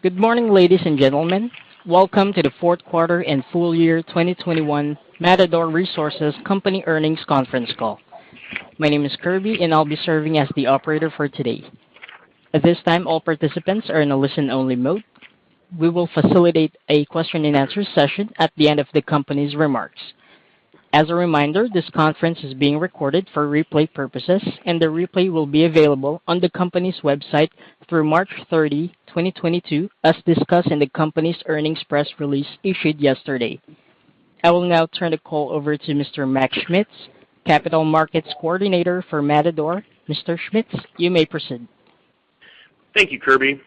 Good morning, ladies and gentlemen. Welcome to the Fourth Quarter and Full Year 2021 Matador Resources Company Earnings Conference Call. My name is Kirby, and I'll be serving as the operator for today. At this time, all participants are in a listen-only mode. We will facilitate a question-and-answer session at the end of the company's remarks. As a reminder, this conference is being recorded for replay purposes, and the replay will be available on the company's website through March 30, 2022, as discussed in the company's earnings press release issued yesterday. I will now turn the call over to Mr. Mac Schmitz, Capital Markets Coordinator for Matador. Mr. Schmitz, you may proceed. Thank you, Kirby.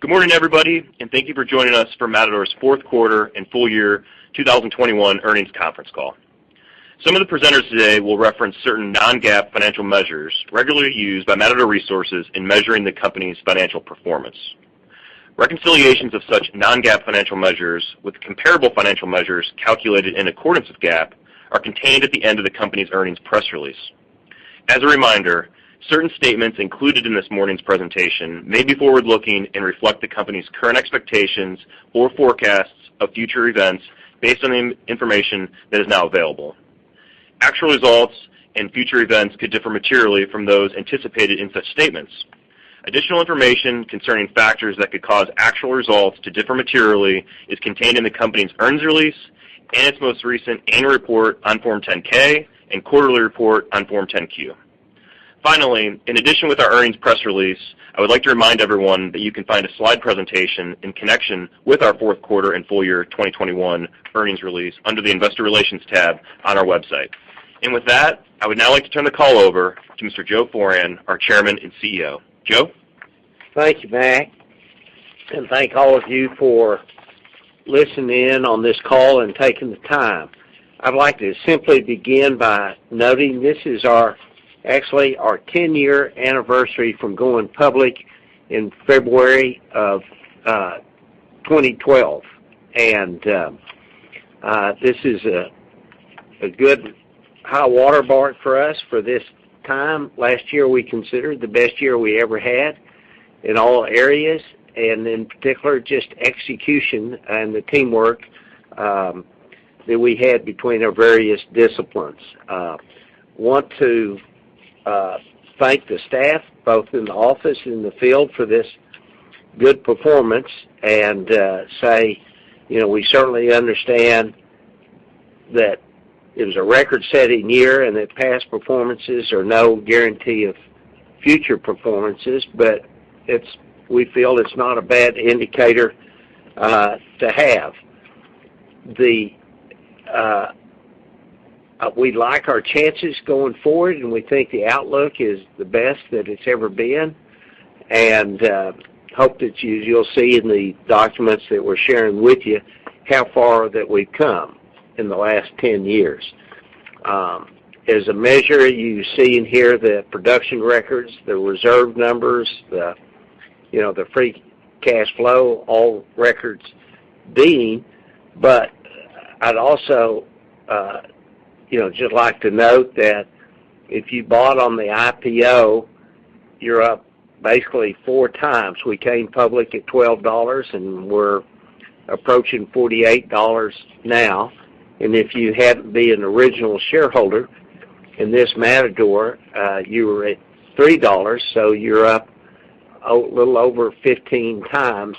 Good morning, everybody, and thank you for joining us for Matador's fourth quarter and full year 2021 earnings conference call. Some of the presenters today will reference certain non-GAAP financial measures regularly used by Matador Resources in measuring the company's financial performance. Reconciliations of such non-GAAP financial measures with comparable financial measures calculated in accordance with GAAP are contained at the end of the company's earnings press release. As a reminder, certain statements included in this morning's presentation may be forward-looking and reflect the company's current expectations or forecasts of future events based on the information that is now available. Actual results and future events could differ materially from those anticipated in such statements. Additional information concerning factors that could cause actual results to differ materially is contained in the company's earnings release and its most recent annual report on Form 10-K and quarterly report on Form 10-Q. Finally, in addition to our earnings press release, I would like to remind everyone that you can find a slide presentation in connection with our fourth quarter and full year 2021 earnings release under the Investor Relations tab on our website. With that, I would now like to turn the call over to Mr. Joe Foran, our Chairman and CEO. Joe? Thank you, Mac, and thank all of you for listening in on this call and taking the time. I'd like to simply begin by noting this is our, actually our 10-year anniversary from going public in February of 2012. This is a good high-water mark for us for this time. Last year, we considered the best year we ever had in all areas, and in particular, just execution and the teamwork that we had between our various disciplines. I want to thank the staff, both in the office and in the field for this good performance, and say, you know, we certainly understand that it was a record-setting year and that past performances are no guarantee of future performances, but it's, we feel it's not a bad indicator to have. We like our chances going forward, and we think the outlook is the best that it's ever been, and hope that you'll see in the documents that we're sharing with you how far that we've come in the last 10 years. As a measure, you see in here the production records, the reserve numbers, you know, the free cash flow, all records being. But I'd also, you know, just like to note that if you bought on the IPO, you're up basically 4x. We came public at $12, and we're approaching $48 now. If you happen to be an original shareholder in this Matador, you were at $3, so you're up a little over 15x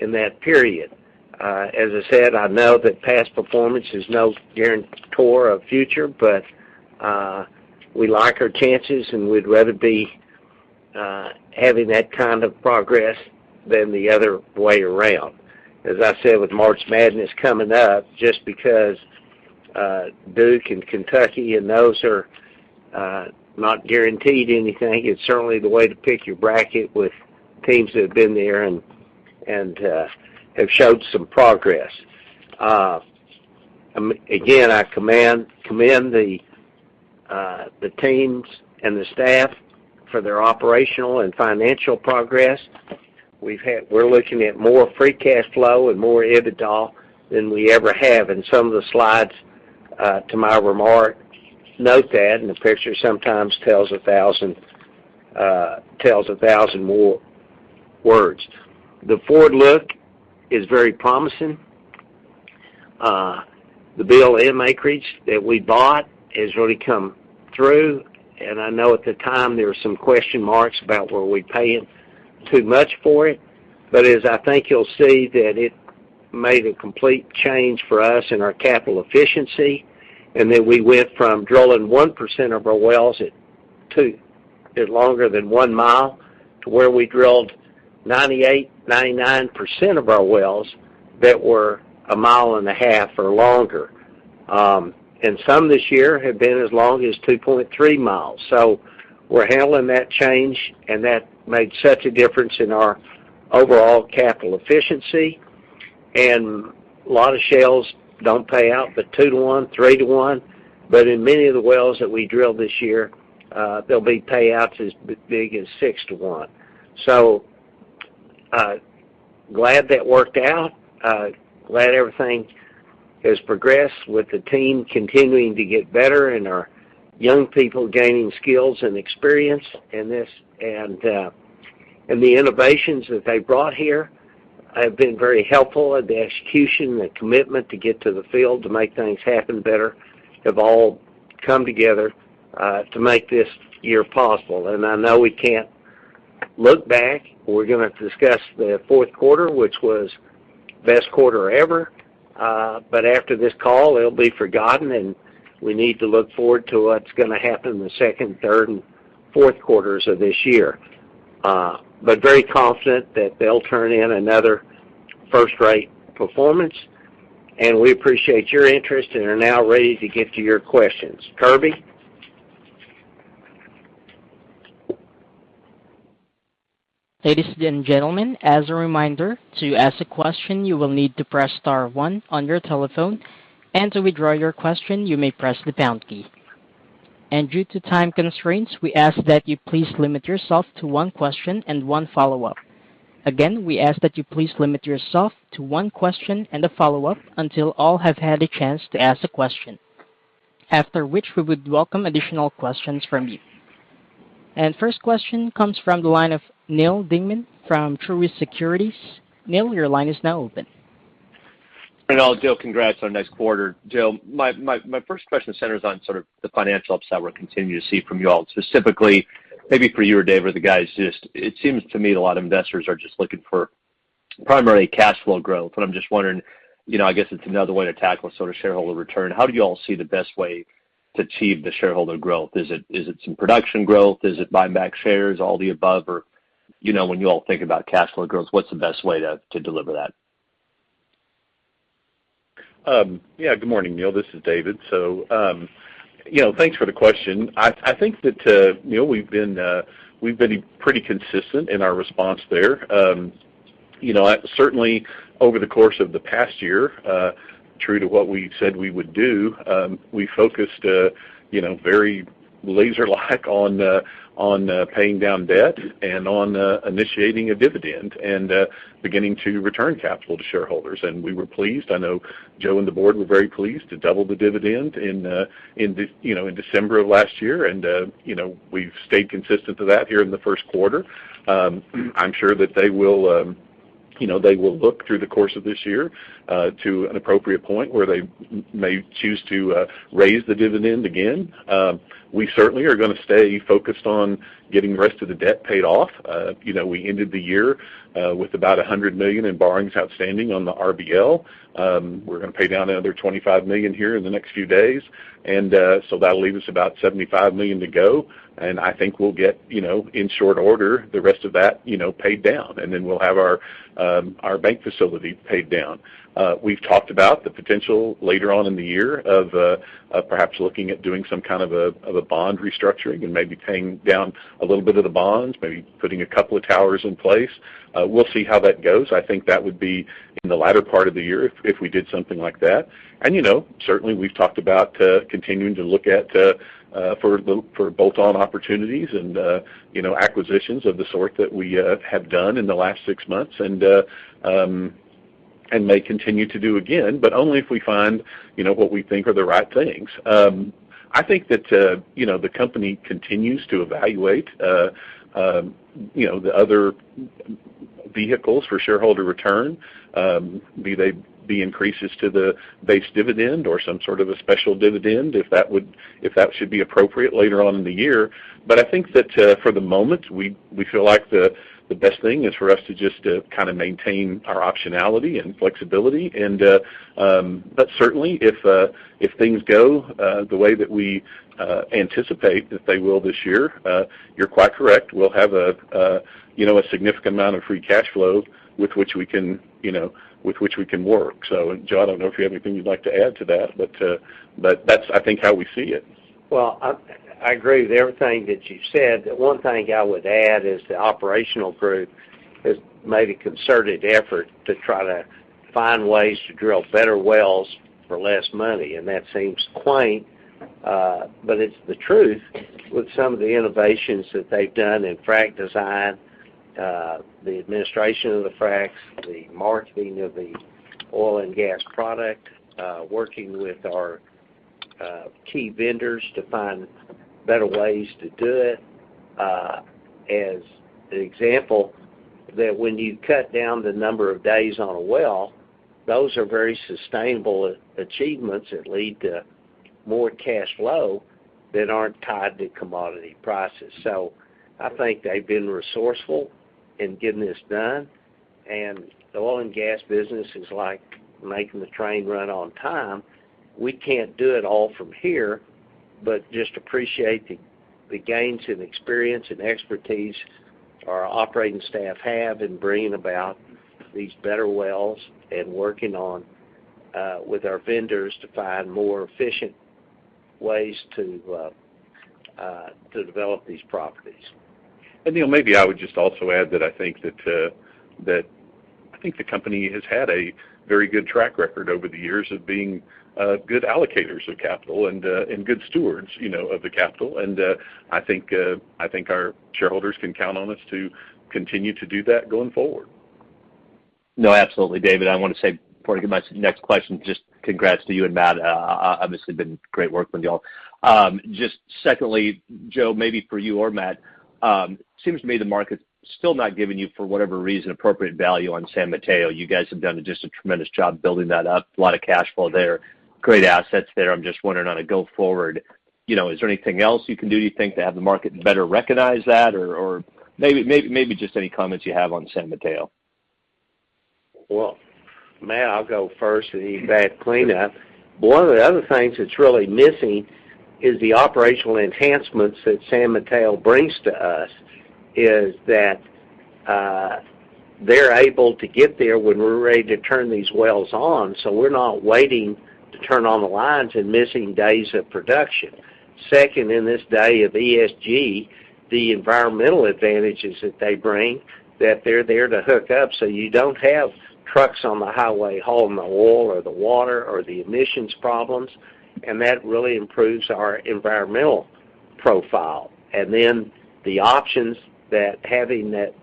in that period. As I said, I know that past performance is no guarantor of future, but we like our chances, and we'd rather be having that kind of progress than the other way around. As I said, with March Madness coming up, just because Duke and Kentucky and those are not guaranteed anything, it's certainly the way to pick your bracket with teams that have been there and have showed some progress. Again, I commend the teams and the staff for their operational and financial progress. We're looking at more free cash flow and more EBITDA than we ever have. Some of the slides to my remark note that, and the picture sometimes tells a thousand more words. The forward look is very promising. The BLM acreage that we bought has really come through, and I know at the time there were some question marks about were we paying too much for it. As I think you'll see that it made a complete change for us in our capital efficiency, and that we went from drilling 1% of our wells longer than 1 mi to where we drilled 98%-99% of our wells that were 1.5 mi or longer. Some this year have been as long as 2.3 mi. We're handling that change and that made such a difference in our overall capital efficiency. A lot of shales don't pay out but two-to-one, three-to-one. In many of the wells that we drilled this year, they'll be payouts as big as six-to-one. Glad that worked out. Glad everything has progressed with the team continuing to get better and our young people gaining skills and experience in this. The innovations that they brought here have been very helpful. The execution, the commitment to get to the field to make things happen better have all come together, to make this year possible. I know we can't look back. We're gonna discuss the fourth quarter, which was best quarter ever. After this call, it'll be forgotten, and we need to look forward to what's gonna happen in the second, third, and fourth quarters of this year. Very confident that they'll turn in another first-rate performance. We appreciate your interest and are now ready to get to your questions. Kirby? Ladies and gentlemen, as a reminder, to ask a question, you will need to press star one on your telephone, and to withdraw your question, you may press the pound key. Due to time constraints, we ask that you please limit yourself to one question and one follow-up. Again, we ask that you please limit yourself to one question and a follow-up until all have had a chance to ask a question. After which, we would welcome additional questions from you. First question comes from the line of Neal Dingmann from Truist Securities. Neil, your line is now open. Joe, congrats on a nice quarter. Joe, my first question centers on sort of the financial upside we're continuing to see from you all. Specifically, maybe for you or Dave or the guys, it seems to me a lot of investors are just looking for primarily cash flow growth. But I'm just wondering, you know, I guess it's another way to tackle sort of shareholder return, how do you all see the best way to achieve the shareholder growth? Is it some production growth? Is it buy back shares? All the above? Or, you know, when you all think about cash flow growth, what's the best way to deliver that? Yeah, good morning, Neal. This is David. You know, thanks for the question. I think that, Neal, we've been pretty consistent in our response there. You know, certainly over the course of the past year, true to what we said we would do, we focused, you know, very laser-like on paying down debt and on initiating a dividend and beginning to return capital to shareholders. We were pleased. I know Joe and the Board were very pleased to double the dividend in December of last year. You know, we've stayed consistent to that here in the first quarter. I'm sure that they will, you know, they will look through the course of this year, to an appropriate point where they may choose to raise the dividend again. We certainly are gonna stay focused on getting the rest of the debt paid off. You know, we ended the year with about $100 million in borrowings outstanding on the RBL. We're gonna pay down another $25 million here in the next few days, and so that'll leave us about $75 million to go. I think we'll get you know in short order the rest of that you know paid down, and then we'll have our bank facility paid down. We've talked about the potential later on in the year of perhaps looking at doing some kind of a bond restructuring and maybe paying down a little bit of the bonds, maybe putting a couple of towers in place. We'll see how that goes. I think that would be in the latter part of the year if we did something like that. You know, certainly we've talked about continuing to look at bolt-on opportunities and, you know, acquisitions of the sort that we have done in the last six months and may continue to do again, but only if we find, you know, what we think are the right things. I think that, you know, the company continues to evaluate, you know, the other vehicles for shareholder return, be they increases to the base dividend or some sort of a special dividend, if that should be appropriate later on in the year. I think that, for the moment, we feel like the best thing is for us to just kinda maintain our optionality and flexibility. Certainly, if things go the way that we anticipate that they will this year, you're quite correct. We'll have a significant amount of free cash flow with which we can work. Joe, I don't know if you have anything you'd like to add to that, but that's, I think, how we see it. Well, I agree with everything that you've said. The one thing I would add is the operational group has made a concerted effort to try to find ways to drill better wells for less money. That seems quaint, but it's the truth with some of the innovations that they've done in frac design, the administration of the fracs, the marketing of the oil and gas product, working with our key vendors to find better ways to do it. As an example, when you cut down the number of days on a well, those are very sustainable achievements that lead to more cash flow that aren't tied to commodity prices. I think they've been resourceful in getting this done. The oil and gas business is like making the train run on time. We can't do it all from here, but just appreciate the gains and experience and expertise our operating staff have in bringing about these better wells and working with our vendors to find more efficient ways to develop these properties. Neal, maybe I would just also add that I think the company has had a very good track record over the years of being Good allocators of capital and good stewards, you know, of the capital. I think our shareholders can count on us to continue to do that going forward. No, absolutely, David. I wanna say before I give my next question, just congrats to you and Matt. Obviously been great work with y'all. Just secondly, Joe, maybe for you or Matt, seems to me the market's still not giving you, for whatever reason, appropriate value on San Mateo. You guys have done just a tremendous job building that up. A lot of cash flow there, great assets there. I'm just wondering on a go forward, you know, is there anything else you can do you think to have the market better recognize that? Or, maybe just any comments you have on San Mateo. Well, Matt, I'll go first and you can clean up. One of the other things that's really missing is the operational enhancements that San Mateo brings to us, that they're able to get there when we're ready to turn these wells on, so we're not waiting to turn on the lines and missing days of production. Second, in this day of ESG, the environmental advantages that they bring, that they're there to hook up so you don't have trucks on the highway hauling the oil or the water or the emissions problems, and that really improves our environmental profile. Then the options that having that,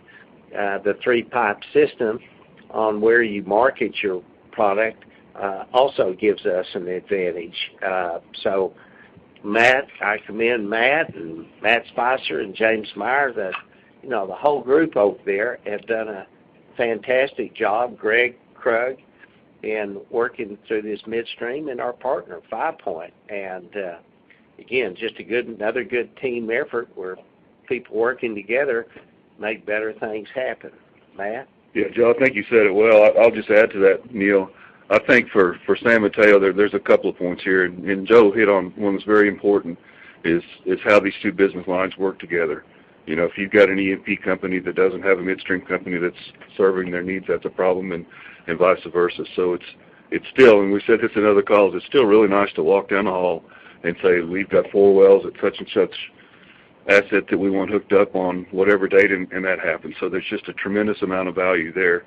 the three pipe system on where you market your product, also gives us an advantage. Matt, I commend Matt and Matt Spicer and James Meyer, you know, the whole group over there have done a fantastic job, Gregg Krug, in working through this midstream and our partner, Five Point. Again, another good team effort where people working together make better things happen. Matt? Yeah. Joe, I think you said it well. I'll just add to that, Neil. I think for San Mateo, there's a couple of points here, and Joe hit on one that's very important, is how these two business lines work together. You know, if you've got an E&P company that doesn't have a midstream company that's serving their needs, that's a problem, and vice versa. It's still, and we've said this in other calls, it's still really nice to walk down the hall and say, we've got four wells at such and such asset that we want hooked up on whatever date and that happens. So there's just a tremendous amount of value there.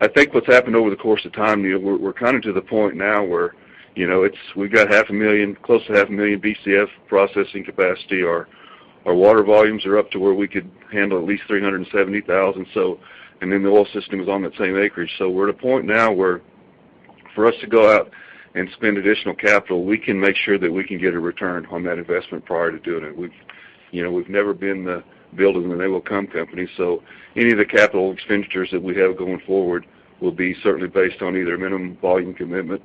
I think what's happened over the course of time, Neil, we're coming to the point now where, you know, it's. We've got 500,000, close to 500,000 Bcf processing capacity. Our water volumes are up to where we could handle at least 370,000. The oil system is on that same acreage. We're at a point now where for us to go out and spend additional capital, we can make sure that we can get a return on that investment prior to doing it. We've, you know, never been the build them and they will come company. Any of the capital expenditures that we have going forward will be certainly based on either minimum volume commitment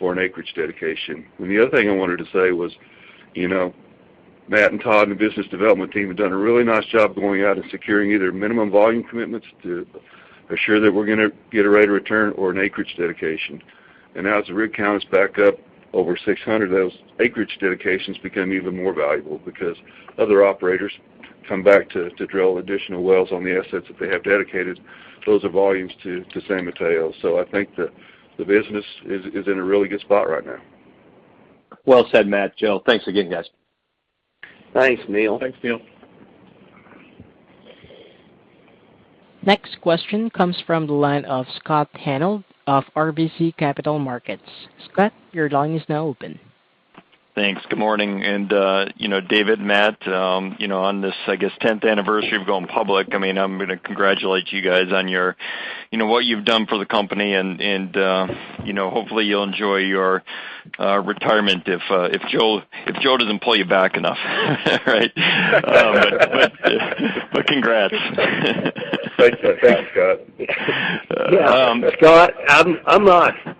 or an acreage dedication. The other thing I wanted to say was, you know, Matt and Tom and the business development team have done a really nice job going out and securing either minimum volume commitments to assure that we're gonna get a rate of return or an acreage dedication. Now as the rig count is back up over 600, those acreage dedications become even more valuable because other operators come back to drill additional wells on the assets that they have dedicated. Those are volumes to San Mateo. I think the business is in a really good spot right now. Well said, Matt, Joe. Thanks again, guys. Thanks, Neal. Thanks, Neal. Next question comes from the line of Scott Hanold of RBC Capital Markets. Scott, your line is now open. Thanks. Good morning. You know, David, Matt, you know, on this, I guess, 10th anniversary of going public, I mean, I'm gonna congratulate you guys on your, you know, what you've done for the company and, you know, hopefully you'll enjoy your retirement if Joe doesn't pull you back enough, right? Congrats. Thanks. Thanks, Scott. Yeah. Scott,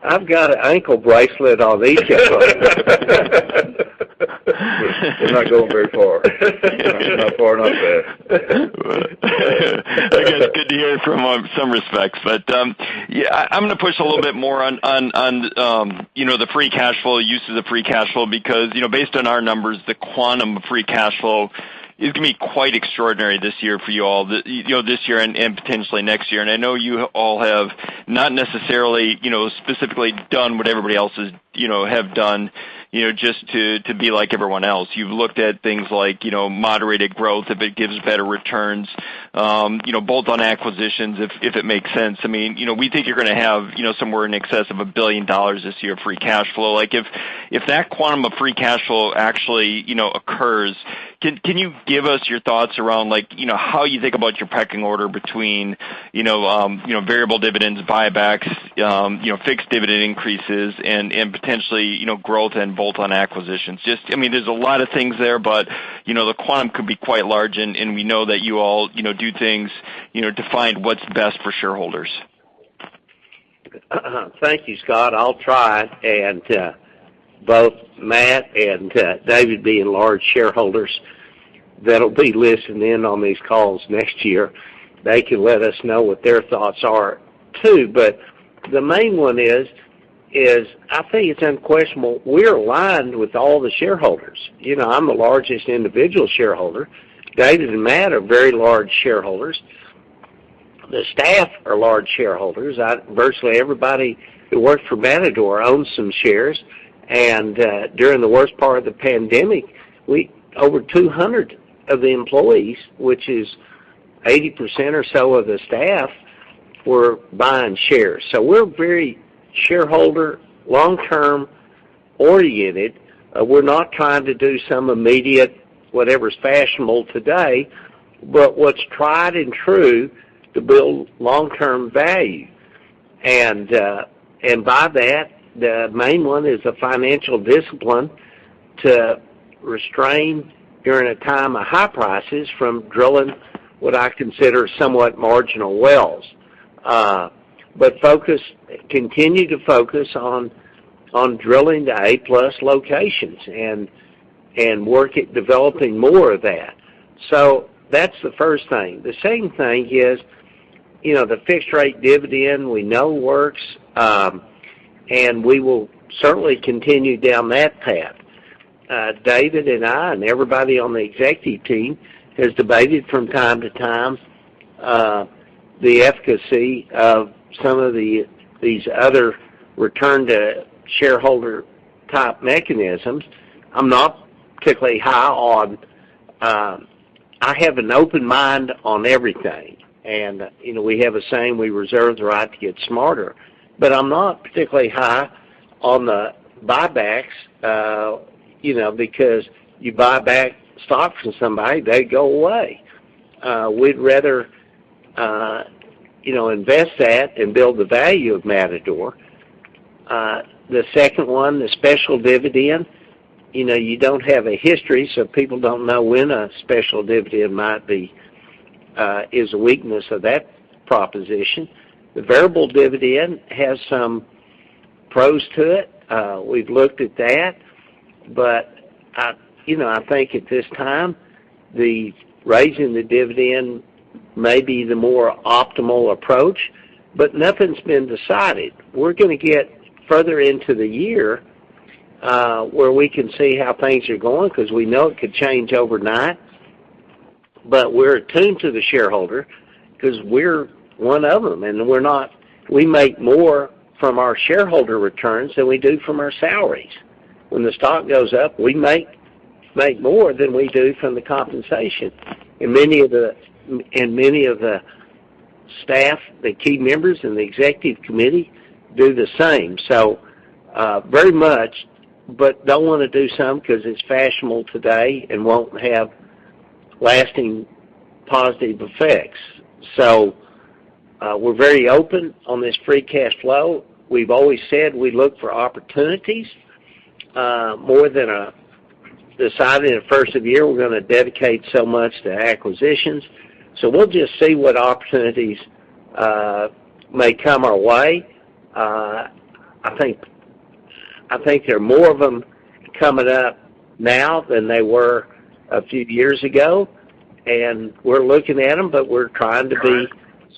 I've got an ankle bracelet on each of them. We're not going very far. Not far enough there. I guess it's good to hear it in some respects. Yeah, I'm gonna push a little bit more on you know, the free cash flow, use of the free cash flow because, you know, based on our numbers, the quantum of free cash flow is gonna be quite extraordinary this year for you all. You know, this year and potentially next year. I know you all have not necessarily, you know, specifically done what everybody else is, you know, have done, you know, just to be like everyone else. You've looked at things like, you know, moderated growth if it gives better returns, you know, bolt-on acquisitions if it makes sense. I mean, you know, we think you're gonna have, you know, somewhere in excess of $1 billion this year of free cash flow. Like, if that quantum of free cash flow actually, you know, occurs, can you give us your thoughts around like, you know, how you think about your pecking order between, you know, variable dividends, buybacks, you know, fixed dividend increases and potentially, you know, growth and bolt-on acquisitions? Just, I mean, there's a lot of things there, but, you know, the quantum could be quite large, and we know that you all, you know, do things, you know, to find what's best for shareholders. Thank you, Scott. I'll try and both Matt and David being large shareholders that'll be listening in on these calls next year, they can let us know what their thoughts are too. The main one is I think it's unquestionable, we're aligned with all the shareholders. You know, I'm the largest individual shareholder. David and Matt are very large shareholders. The staff are large shareholders. Virtually everybody who works for Matador owns some shares. During the worst part of the pandemic, over 200 of the employees, which is 80% or so of the staff, were buying shares. We're very shareholder long-term oriented. We're not trying to do some immediate whatever's fashionable today, but what's tried and true to build long-term value. By that, the main one is a financial discipline to restrain during a time of high prices from drilling what I consider somewhat marginal wells. Continue to focus on drilling the A+ locations and work at developing more of that. That's the first thing. The second thing is, you know, the fixed-rate dividend we know works, and we will certainly continue down that path. David and I and everybody on the executive team has debated from time to time, the efficacy of these other return to shareholder type mechanisms. I'm not particularly high on. I have an open mind on everything. You know, we have a saying, we reserve the right to get smarter. I'm not particularly high on the buybacks, you know, because you buy back stocks from somebody, they go away. We'd rather, you know, invest that and build the value of Matador. The second one, the special dividend, you know, you don't have a history, so people don't know when a special dividend might be, is a weakness of that proposition. The variable dividend has some pros to it. We've looked at that. I, you know, I think at this time, the raising the dividend may be the more optimal approach, but nothing's been decided. We're gonna get further into the year, where we can see how things are going because we know it could change overnight. We're attuned to the shareholder because we're one of them, and we make more from our shareholder returns than we do from our salaries. When the stock goes up, we make more than we do from the compensation. Many of the staff, the key members and the executive committee do the same. Very much, but don't wanna do something because it's fashionable today and won't have lasting positive effects. We're very open on this free cash flow. We've always said we look for opportunities more than deciding the first of the year we're gonna dedicate so much to acquisitions. We'll just see what opportunities may come our way. I think there are more of them coming up now than they were a few years ago, and we're looking at them, but we're trying to be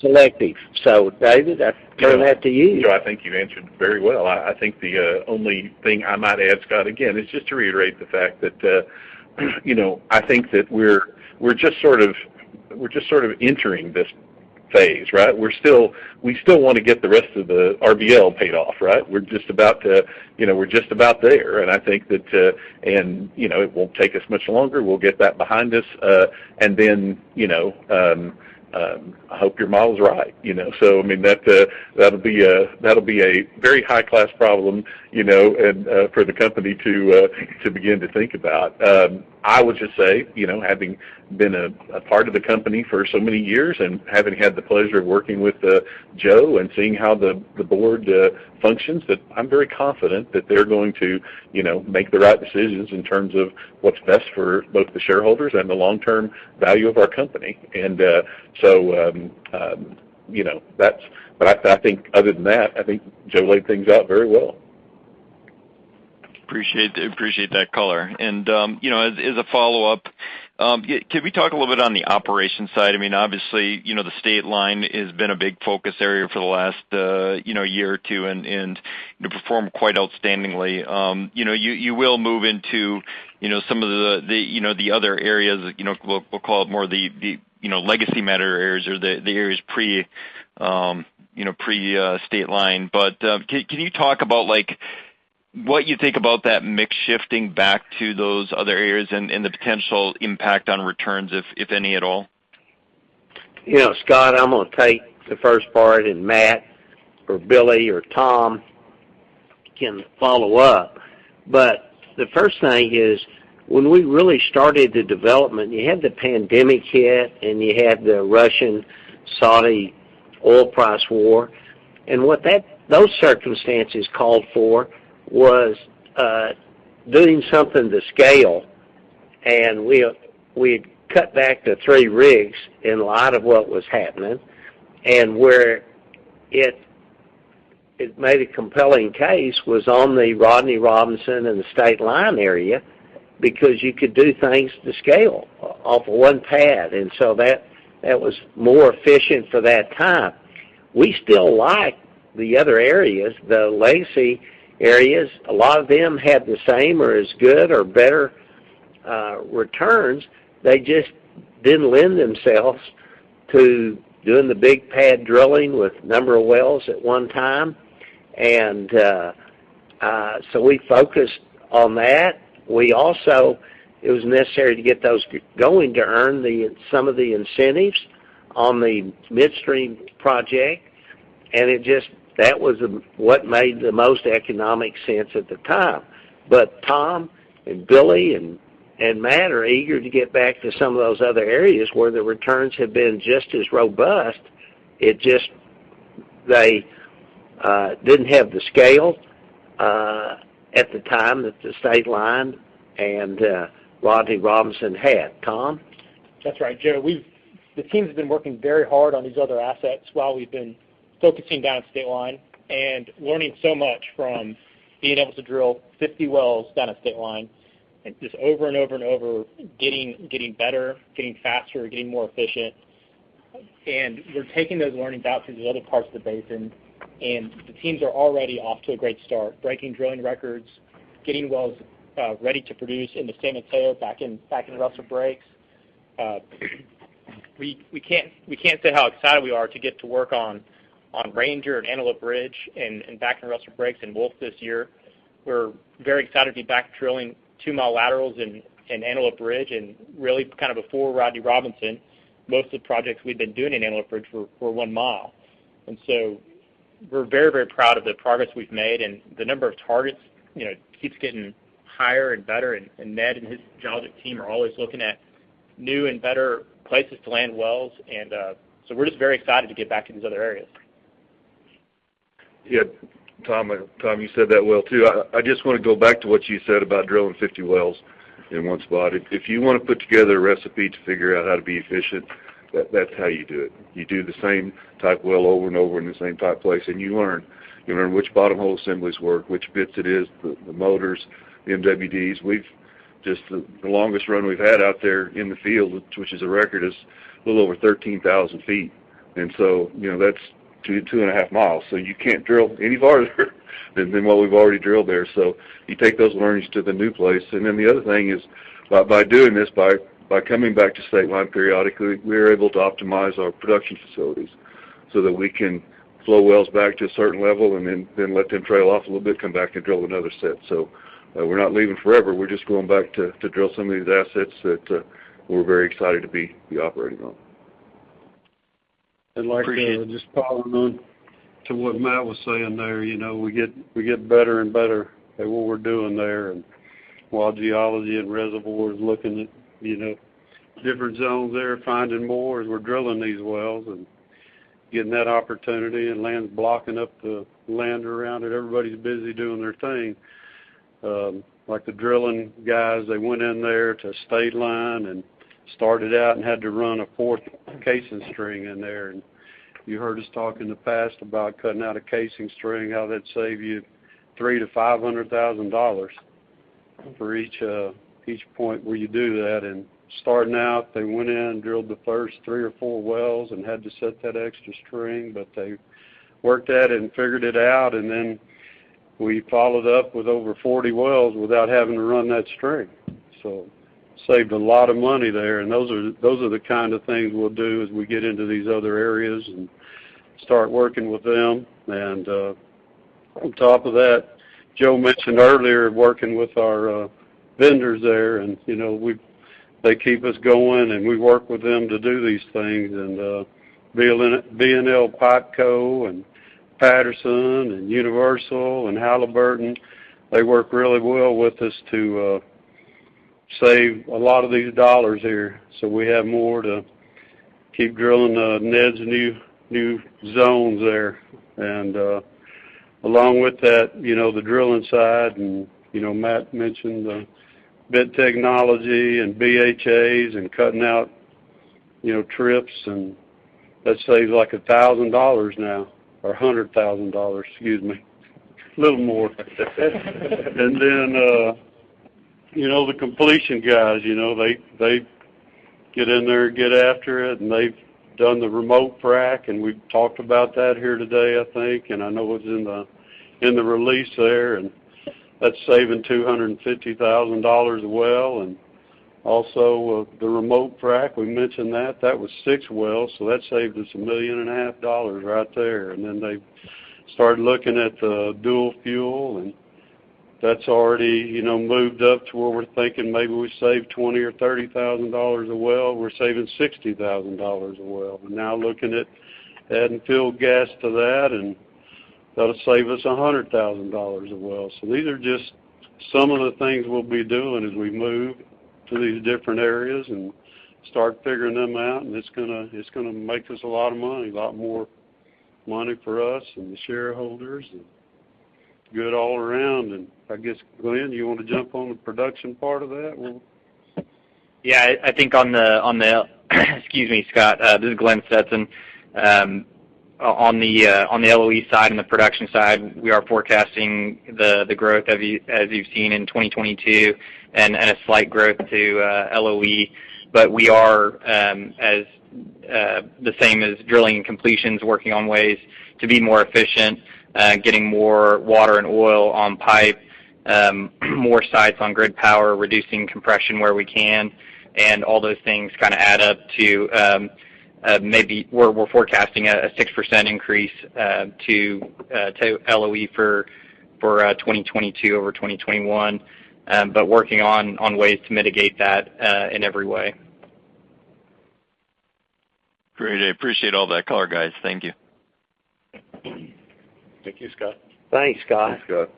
selective. David, I turn that to you. Joe, I think you answered very well. I think the only thing I might add, Scott, again, is just to reiterate the fact that, you know, I think that we're just sort of entering this phase, right? We still wanna get the rest of the RBL paid off, right? We're just about to, you know, we're just about there, and I think that you know, I hope your model's right. You know? I mean, that'll be a very high-class problem, you know, and for the company to begin to think about. I would just say, you know, having been a part of the company for so many years and having had the pleasure of working with Joe and seeing how the board functions, that I'm very confident that they're going to, you know, make the right decisions in terms of what's best for both the shareholders and the long-term value of our company. I think other than that, I think Joe laid things out very well. Appreciate that color. As a follow-up, can we talk a little bit on the operations side? I mean, obviously, you know, the Stateline has been a big focus area for the last, you know, year or two and, you know, performed quite outstandingly. You know, you will move into, you know, some of the you know the other areas, you know, we'll call it more of the you know legacy Matador areas or the areas pre-Stateline. Can you talk about, like, what you think about that mix shifting back to those other areas and the potential impact on returns, if any at all? You know, Scott, I'm gonna take the first part, and Matt or Billy or Tom can follow up. The first thing is, when we really started the development, you had the pandemic hit, and you had the Russian-Saudi oil price war. Those circumstances called for was doing something to scale. We had cut back to three rigs in light of what was happening. Where it made a compelling case was on the Rodney Robinson and the State Line area because you could do things to scale off of one pad. That was more efficient for that time. We still like the other areas. The legacy areas, a lot of them had the same or as good or better returns. They just didn't lend themselves to doing the big pad drilling with a number of wells at one time. We focused on that. It was necessary to get those going to earn some of the incentives on the midstream project, and that was what made the most economic sense at the time. Tom and Billy and Matt are eager to get back to some of those other areas where the returns have been just as robust. They didn't have the scale at the time that the State Line and Rodney Robinson had. Tom? That's right, Joe. The teams have been working very hard on these other assets while we've been focusing down at State Line and learning so much from being able to drill 50 wells down at State Line, and just over and over and over, getting better, getting faster, getting more efficient. We're taking those learnings out to these other parts of the basin, and the teams are already off to a great start, breaking drilling records, getting wells ready to produce in the San Mateo, back in the Rustler Breaks. We can't say how excited we are to get to work on Ranger and Antelope Ridge and back in Rustler Breaks and Wolf this year. We're very excited to be back drilling two-mile laterals in Antelope Ridge, and really kind of before Rodney Robinson, most of the projects we'd been doing in Antelope Ridge were one-mile. We're very, very proud of the progress we've made, and the number of targets, you know, keeps getting higher and better, and Ned and his geologic team are always looking at new and better places to land wells, so we're just very excited to get back to these other areas. Yeah. Tom, you said that well, too. I just wanna go back to what you said about drilling 50 wells in one spot. If you wanna put together a recipe to figure out how to be efficient, that's how you do it. You do the same type well over and over in the same type place, and you learn. You learn which bottom hole assemblies work, which bits it is, the motors, the MWD. We've just the longest run we've had out there in the field, which is a record, is a little over 13,000 ft. You know, that's 2.5 mi, so you can't drill any farther than what we've already drilled there. You take those learnings to the new place. The other thing is by doing this, by coming back to State Line periodically, we're able to optimize our production facilities so that we can flow wells back to a certain level and then let them trail off a little bit, come back and drill another set. We're not leaving forever. We're just going back to drill some of these assets that we're very excited to be operating on. Like, just following on to what Matt was saying there, you know, we get better and better at what we're doing there. While geology and reservoir is looking at, you know, different zones there, finding more as we're drilling these wells and getting that opportunity and land, blocking up the land around it, everybody's busy doing their thing. Like the drilling guys, they went in there to State Line and started out and had to run a fourth casing string in there. You heard us talk in the past about cutting out a casing string, how that'd save you $300,000-$500,000 for each point where you do that. Starting out, they went in and drilled the first three or four wells and had to set that extra string, but they worked at it and figured it out. Then we followed up with over 40 wells without having to run that string. Saved a lot of money there, and those are the kind of things we'll do as we get into these other areas and start working with them. On top of that, Joe mentioned earlier working with our vendors there, and, you know, they keep us going, and we work with them to do these things. B&L Pipe Co and Patterson and Universal and Halliburton, they work really well with us to save a lot of these dollars here, so we have more to keep drilling Ned's new zones there. Along with that, you know, the drilling side and, you know, Matt mentioned the bit technology and BHAs and cutting out, you know, trips and that saves like $1,000 now, or $100,000, excuse me. A little more. You know, the completion guys, you know, they get in there and get after it, and they've done the remote frac, and we've talked about that here today, I think, and I know it was in the release there, and that's saving $250,000 a well. The remote frac, we mentioned that. That was six wells, so that saved us $1.5 million right there. Then they started looking at the dual fuel, and that's already, you know, moved up to where we're thinking maybe we save $20,000 or $30,000 a well. We're saving $60,000 a well. We're now looking at adding field gas to that, and that'll save us $100,000 a well. These are just some of the things we'll be doing as we move to these different areas and start figuring them out, and it's gonna make us a lot of money, a lot more money for us and the shareholders and good all around. I guess, Glenn, you wanna jump on the production part of that or? Excuse me, Scott. This is Glenn Stetson. On the LOE side and the production side, we are forecasting the growth as you've seen in 2022 and a slight growth to LOE. We are the same as drilling and completions, working on ways to be more efficient, getting more water and oil on pipe, more sites on grid power, reducing compression where we can, and all those things kinda add up to Maybe we're forecasting a 6% increase to LOE for 2022 over 2021, but working on ways to mitigate that in every way. Great. I appreciate all that color, guys. Thank you. Thank you, Scott. Thanks, Scott. Thanks, Scott.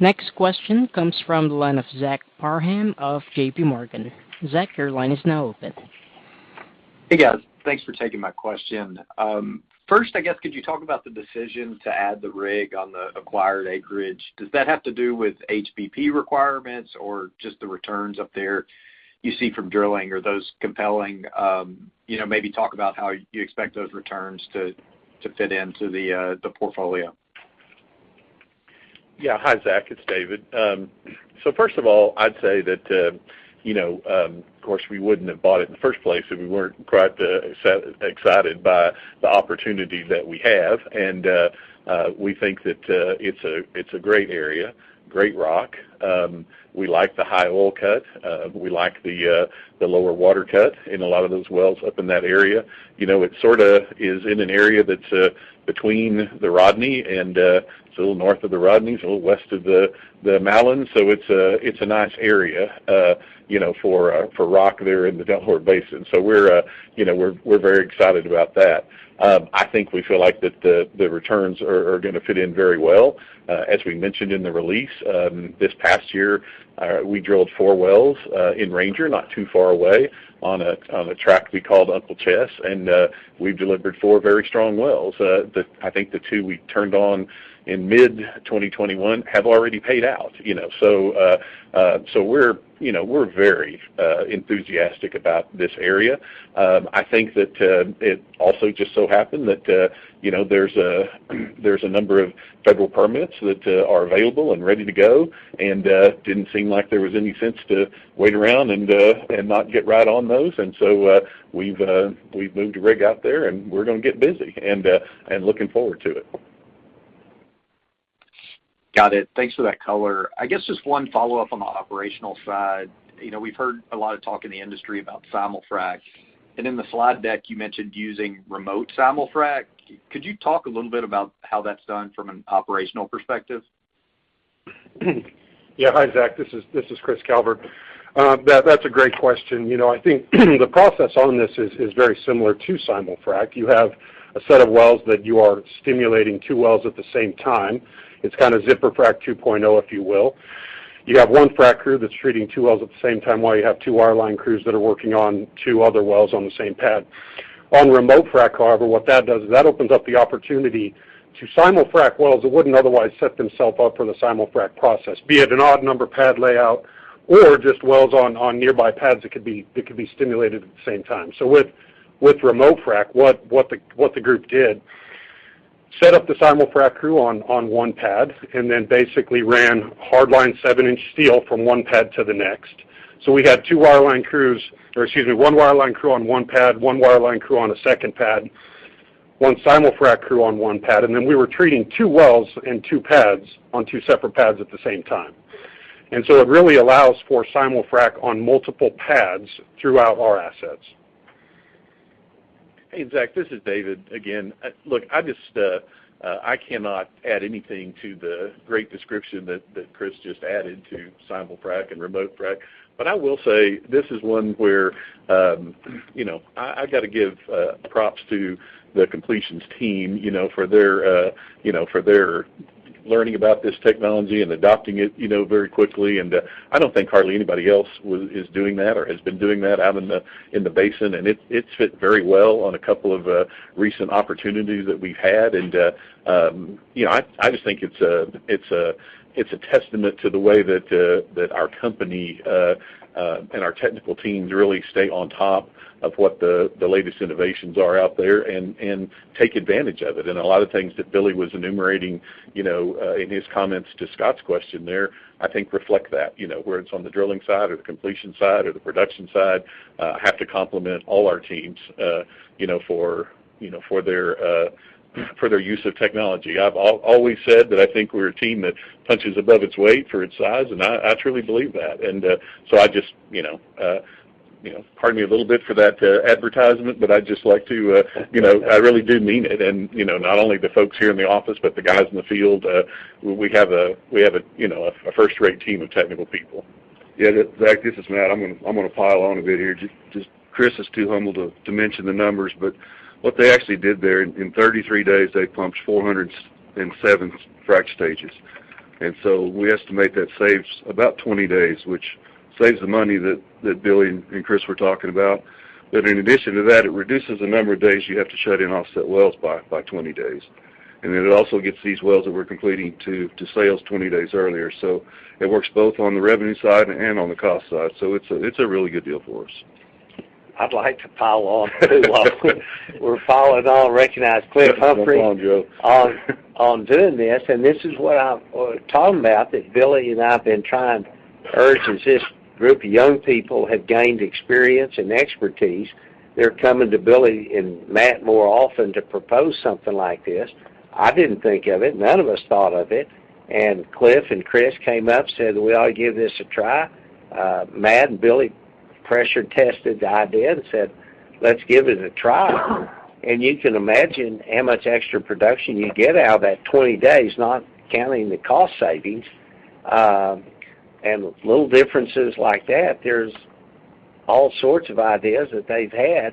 Next question comes from the line of Zach Parham of JPMorgan. Zach, your line is now open. Hey, guys. Thanks for taking my question. First, I guess, could you talk about the decision to add the rig on the acquired acreage? Does that have to do with HBP requirements or just the returns up there you see from drilling? Are those compelling? You know, maybe talk about how you expect those returns to fit into the portfolio. Yeah. Hi, Zach. It's David. First of all, I'd say that, you know, of course, we wouldn't have bought it in the first place if we weren't quite excited by the opportunity that we have. We think that it's a great area, great rock. We like the high oil cut. We like the lower water cut in a lot of those wells up in that area. You know, it sorta is in an area that's between the Rodney and it's a little north of the Rodney, it's a little west of the Mallon. It's a nice area, you know, for rock there in the Delaware Basin. We're very excited about that. I think we feel like the returns are gonna fit in very well. As we mentioned in the release, this past year we drilled four wells in Ranger, not too far away, on a track we called Uncle Ches. We've delivered four very strong wells. I think the two we turned on in mid-2021 have already paid out, you know. We're very enthusiastic about this area. I think that it also just so happened that you know, there's a number of federal permits that are available and ready to go, and didn't seem like there was any sense to wait around and not get right on those. We've moved a rig out there, and we're gonna get busy, and looking forward to it. Got it. Thanks for that color. I guess just one follow-up on the operational side. You know, we've heard a lot of talk in the industry about simul-frac. And in the slide deck, you mentioned using remote simul-frac. Could you talk a little bit about how that's done from an operational perspective? Yeah. Hi, Zach. This is Chris Calvert. That's a great question. You know, I think the process on this is very similar to simulfrac. You have a set of wells that you are stimulating two wells at the same time. It's kinda Zipper Frac 2.0, if you will. You have one frac crew that's treating two wells at the same time while you have two wireline crews that are working on two other wells on the same pad. On remote frac, however, what that does is that opens up the opportunity to simulfrac wells that wouldn't otherwise set themselves up for the simulfrac process, be it an odd number pad layout or just wells on nearby pads that could be stimulated at the same time. With remote frac, what the group did set up the simulfrac crew on one pad and then basically ran hardline 7 in steel from one pad to the next. We had two wireline crews, or excuse me, one wireline crew on one pad, one wireline crew on a second pad, one simulfrac crew on one pad, and then we were treating two wells and two pads on two separate pads at the same time. It really allows for simul-frac on multiple pads throughout our assets. Hey, Zach, this is David again. Look, I just I cannot add anything to the great description that Chris just added to simul-frac and remote frac. I will say this is one where, you know, I gotta give props to the completions team, you know, for their learning about this technology and adopting it, you know, very quickly. I don't think hardly anybody else is doing that or has been doing that out in the basin. It's fit very well on a couple of recent opportunities that we've had. You know, I just think it's a testament to the way that our company and our technical teams really stay on top of what the latest innovations are out there and take advantage of it. A lot of things that Billy was enumerating, you know, in his comments to Scott's question there, I think reflect that. You know, whether it's on the drilling side or the completion side or the production side, have to compliment all our teams, you know, for their use of technology. I've always said that I think we're a team that punches above its weight for its size, and I truly believe that. I just you know you know pardon me a little bit for that advertisement, but I'd just like to you know I really do mean it. Not only the folks here in the office, but the guys in the field, we have a you know a first rate team of technical people. Yeah, Zach, this is Matt. I'm gonna pile on a bit here. Just Chris is too humble to mention the numbers, but what they actually did there, in 33 days, they pumped 407 frac stages. We estimate that saves about 20 days, which saves the money that Billy and Chris were talking about. In addition to that, it reduces the number of days you have to shut in offset wells by 20 days. It also gets these wells that we're completing to sales 20 days earlier. It works both on the revenue side and on the cost side. It's a really good deal for us. I'd like to pile on, too. We're piling on. Recognize Cliff Humphreys- Jump on, Joe. on doing this, and this is what I'm talking about, that Billy and I have been trying to urge is this group of young people have gained experience and expertise. They're coming to Billy and Matt more often to propose something like this. I didn't think of it. None of us thought of it. Cliff and Chris came up, said, "We ought to give this a try." Matt and Billy pressure tested the idea and said, "Let's give it a try." You can imagine how much extra production you get out of that 20 days, not counting the cost savings. Little differences like that, there's all sorts of ideas that they've had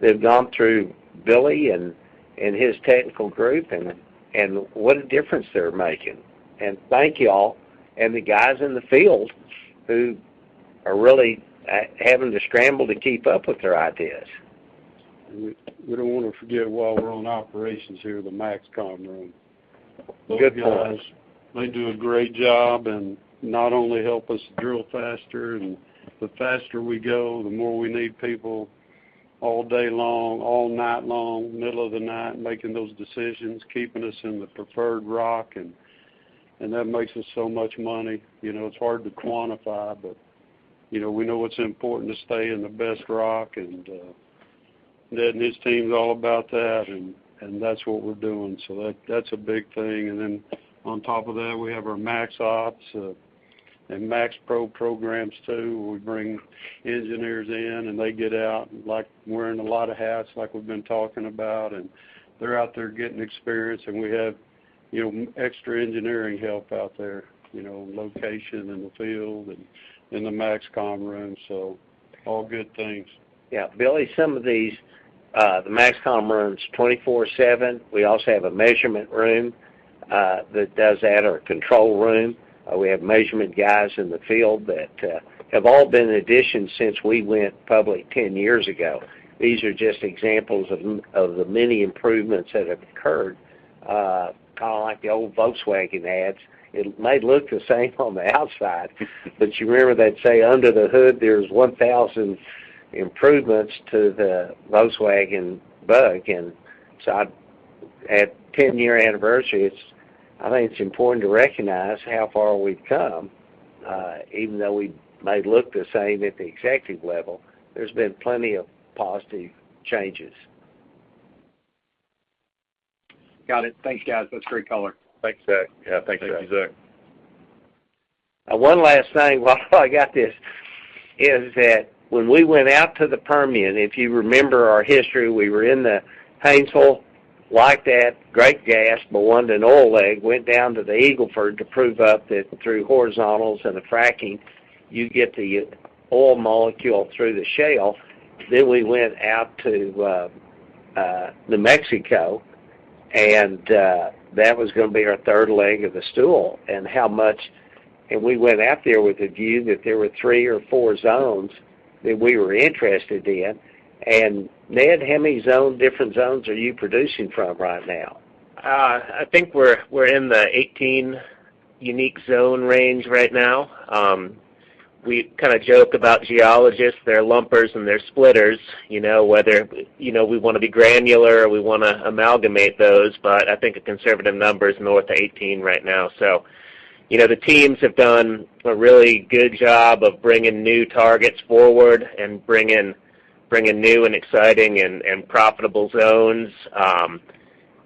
that have gone through Billy and his technical group, and what a difference they're making. Thank you all and the guys in the field who are really having to scramble to keep up with their ideas. We don't wanna forget while we're on operations here, the MaxCom room. Good point. Those guys, they do a great job and not only help us drill faster, and the faster we go, the more we need people all day long, all night long, middle of the night, making those decisions, keeping us in the preferred rock, and that makes us so much money. You know, it's hard to quantify, but you know, we know it's important to stay in the best rock. Ned and his team's all about that, and that's what we're doing. That, that's a big thing. Then on top of that, we have our MAX Ops and MAX Pro programs too. We bring engineers in, and they get out, like, wearing a lot of hats like we've been talking about, and they're out there getting experience. We have, you know, extra engineering help out there, you know, located in the field and in the MaxCom room. All good things. Yeah. Billy, some of these, the MaxCom room's 24/7. We also have a measurement room that does that, or a control room. We have measurement guys in the field that have all been an addition since we went public 10 years ago. These are just examples of the many improvements that have occurred, kinda like the old Volkswagen ads. It may look the same on the outside, but you remember they'd say, "Under the hood, there's 1,000 improvements to the Volkswagen Beetle." At the 10-year anniversary, I think it's important to recognize how far we've come. Even though we may look the same at the executive level, there's been plenty of positive changes. Got it. Thanks, guys. That's great color. Thanks, Zach. Yeah. Thanks, Zach. Thank you, Zach. One last thing while I got this is that when we went out to the Permian, if you remember our history, we were in the Haynesville, like that great gas but wanted an oil leg. We went down to the Eagle Ford to prove up that through horizontals and the fracking, you get the oil molecule through the shale. Then we went out to New Mexico, and that was gonna be our third leg of the stool. We went out there with a view that there were three or four zones that we were interested in. Ned, how many different zones are you producing from right now? I think we're in the 18 unique zone range right now. We kinda joke about geologists, they're lumpers and they're splitters. You know, whether you know, we wanna be granular or we wanna amalgamate those, but I think a conservative number is north of 18 right now. You know, the teams have done a really good job of bringing new targets forward and bringing new and exciting and profitable zones.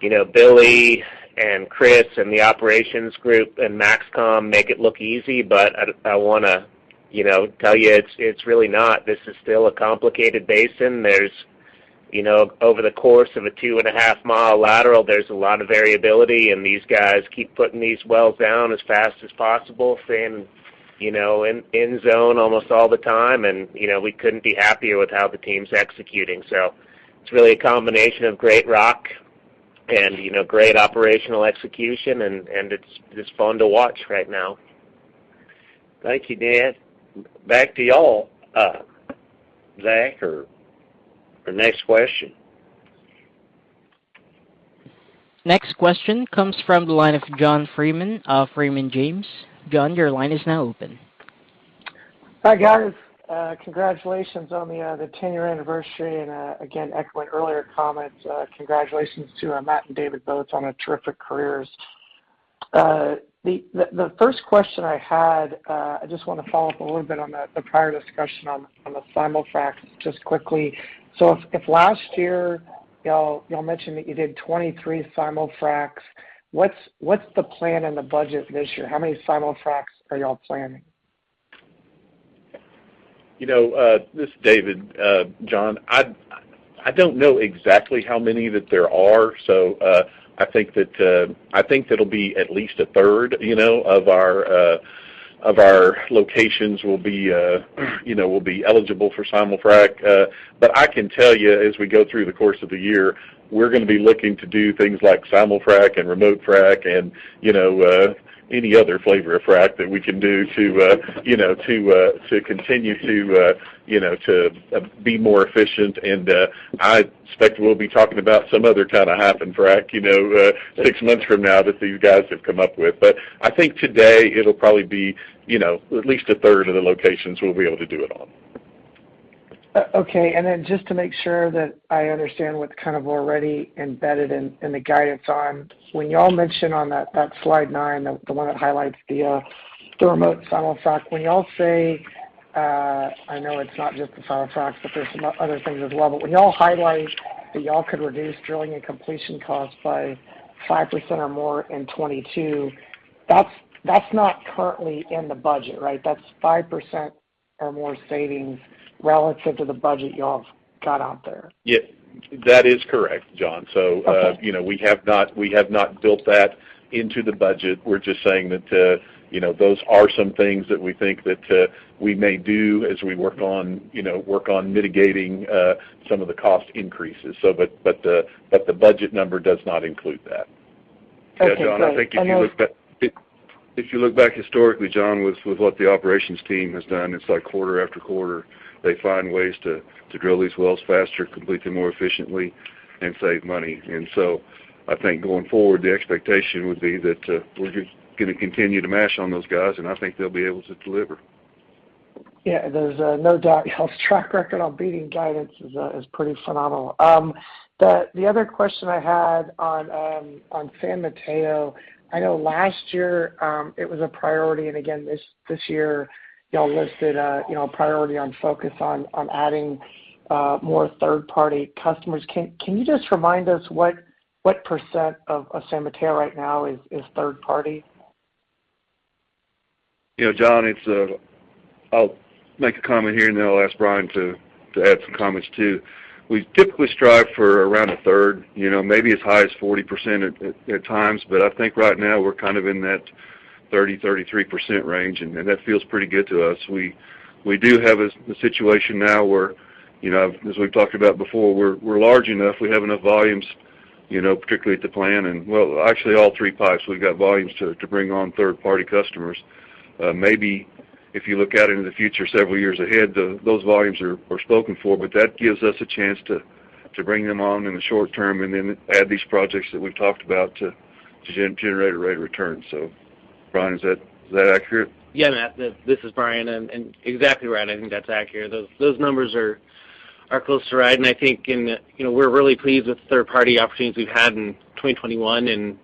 You know, Billy and Chris and the operations group and MaxCom make it look easy, but I wanna tell you it's really not. This is still a complicated basin. There's, you know, over the course of a 2.5 mi lateral, there's a lot of variability, and these guys keep putting these wells down as fast as possible, staying, you know, in zone almost all the time. You know, we couldn't be happier with how the team's executing. It's really a combination of great rock and, you know, great operational execution, and it's fun to watch right now. Thank you, Ned. Back to y'all, Zach, or the next question. Next question comes from the line of John Freeman of Raymond James. John, your line is now open. Hi, guys. Congratulations on the 10-year anniversary, and again, echoing earlier comments, congratulations to Matt and David both on their terrific careers. The first question I had, I just wanna follow up a little bit on the prior discussion on the simul-fracs just quickly. If last year, y'all mentioned that you did 23 simul-fracs, what's the plan and the budget this year? How many simul-fracs are y'all planning? You know, this is David, John. I don't know exactly how many that there are. I think it'll be at least 1/3, you know, of our locations will be eligible for simul-frac. I can tell you, as we go through the course of the year, we're gonna be looking to do things like simul-frac and remote frac and, you know, any other flavor of frac that we can do to be more efficient. I expect we'll be talking about some other kind of hybrid frac, you know, six months from now that you guys have come up with. I think today it'll probably be, you know, at least 1/3 of the locations we'll be able to do it on. Okay. Just to make sure that I understand what's kind of already embedded in the guidance on, when y'all mentioned on that slide nine, the one that highlights the remote simul-frac. When y'all say, I know it's not just the simul-frac, but there's some other things as well. But when y'all highlight that y'all could reduce drilling and completion costs by 5% or more in 2022, that's not currently in the budget, right? That's 5% or more savings relative to the budget y'all have got out there. Yeah. That is correct, John. Okay. You know, we have not built that into the budget. We're just saying that, you know, those are some things that we think that we may do as we work on mitigating some of the cost increases. The budget number does not include that. Okay, great. Yeah, John, I think if you look back. I know- If you look back historically, John, with what the operations team has done, it's like quarter after quarter, they find ways to drill these wells faster, complete them more efficiently and save money. I think going forward the expectation would be that we're just gonna continue to mash on those guys, and I think they'll be able to deliver. Yeah, there's no doubt. Y'all's track record on beating guidance is pretty phenomenal. The other question I had on San Mateo. I know last year it was a priority, and again, this year, y'all listed, you know, a priority on focus on adding more third-party customers. Can you just remind us what percent of San Mateo right now is third-party? You know, John, it's. I'll make a comment here, and then I'll ask Brian to add some comments too. We typically strive for around 1/3, you know, maybe as high as 40% at times, but I think right now we're kind of in that 30%-33% range, and that feels pretty good to us. We do have a situation now where, you know, as we've talked about before, we're large enough, we have enough volumes, you know, particularly at the plant and, well, actually, all three pipes, we've got volumes to bring on third-party customers. Maybe if you look out into the future several years ahead, those volumes are spoken for, but that gives us a chance to bring them on in the short term and then add these projects that we've talked about to generate a rate of return. Brian, is that accurate? Yeah, Matt. This is Brian. Exactly right. I think that's accurate. Those numbers are close to right. I think, you know, we're really pleased with the third-party opportunities we've had in 2021.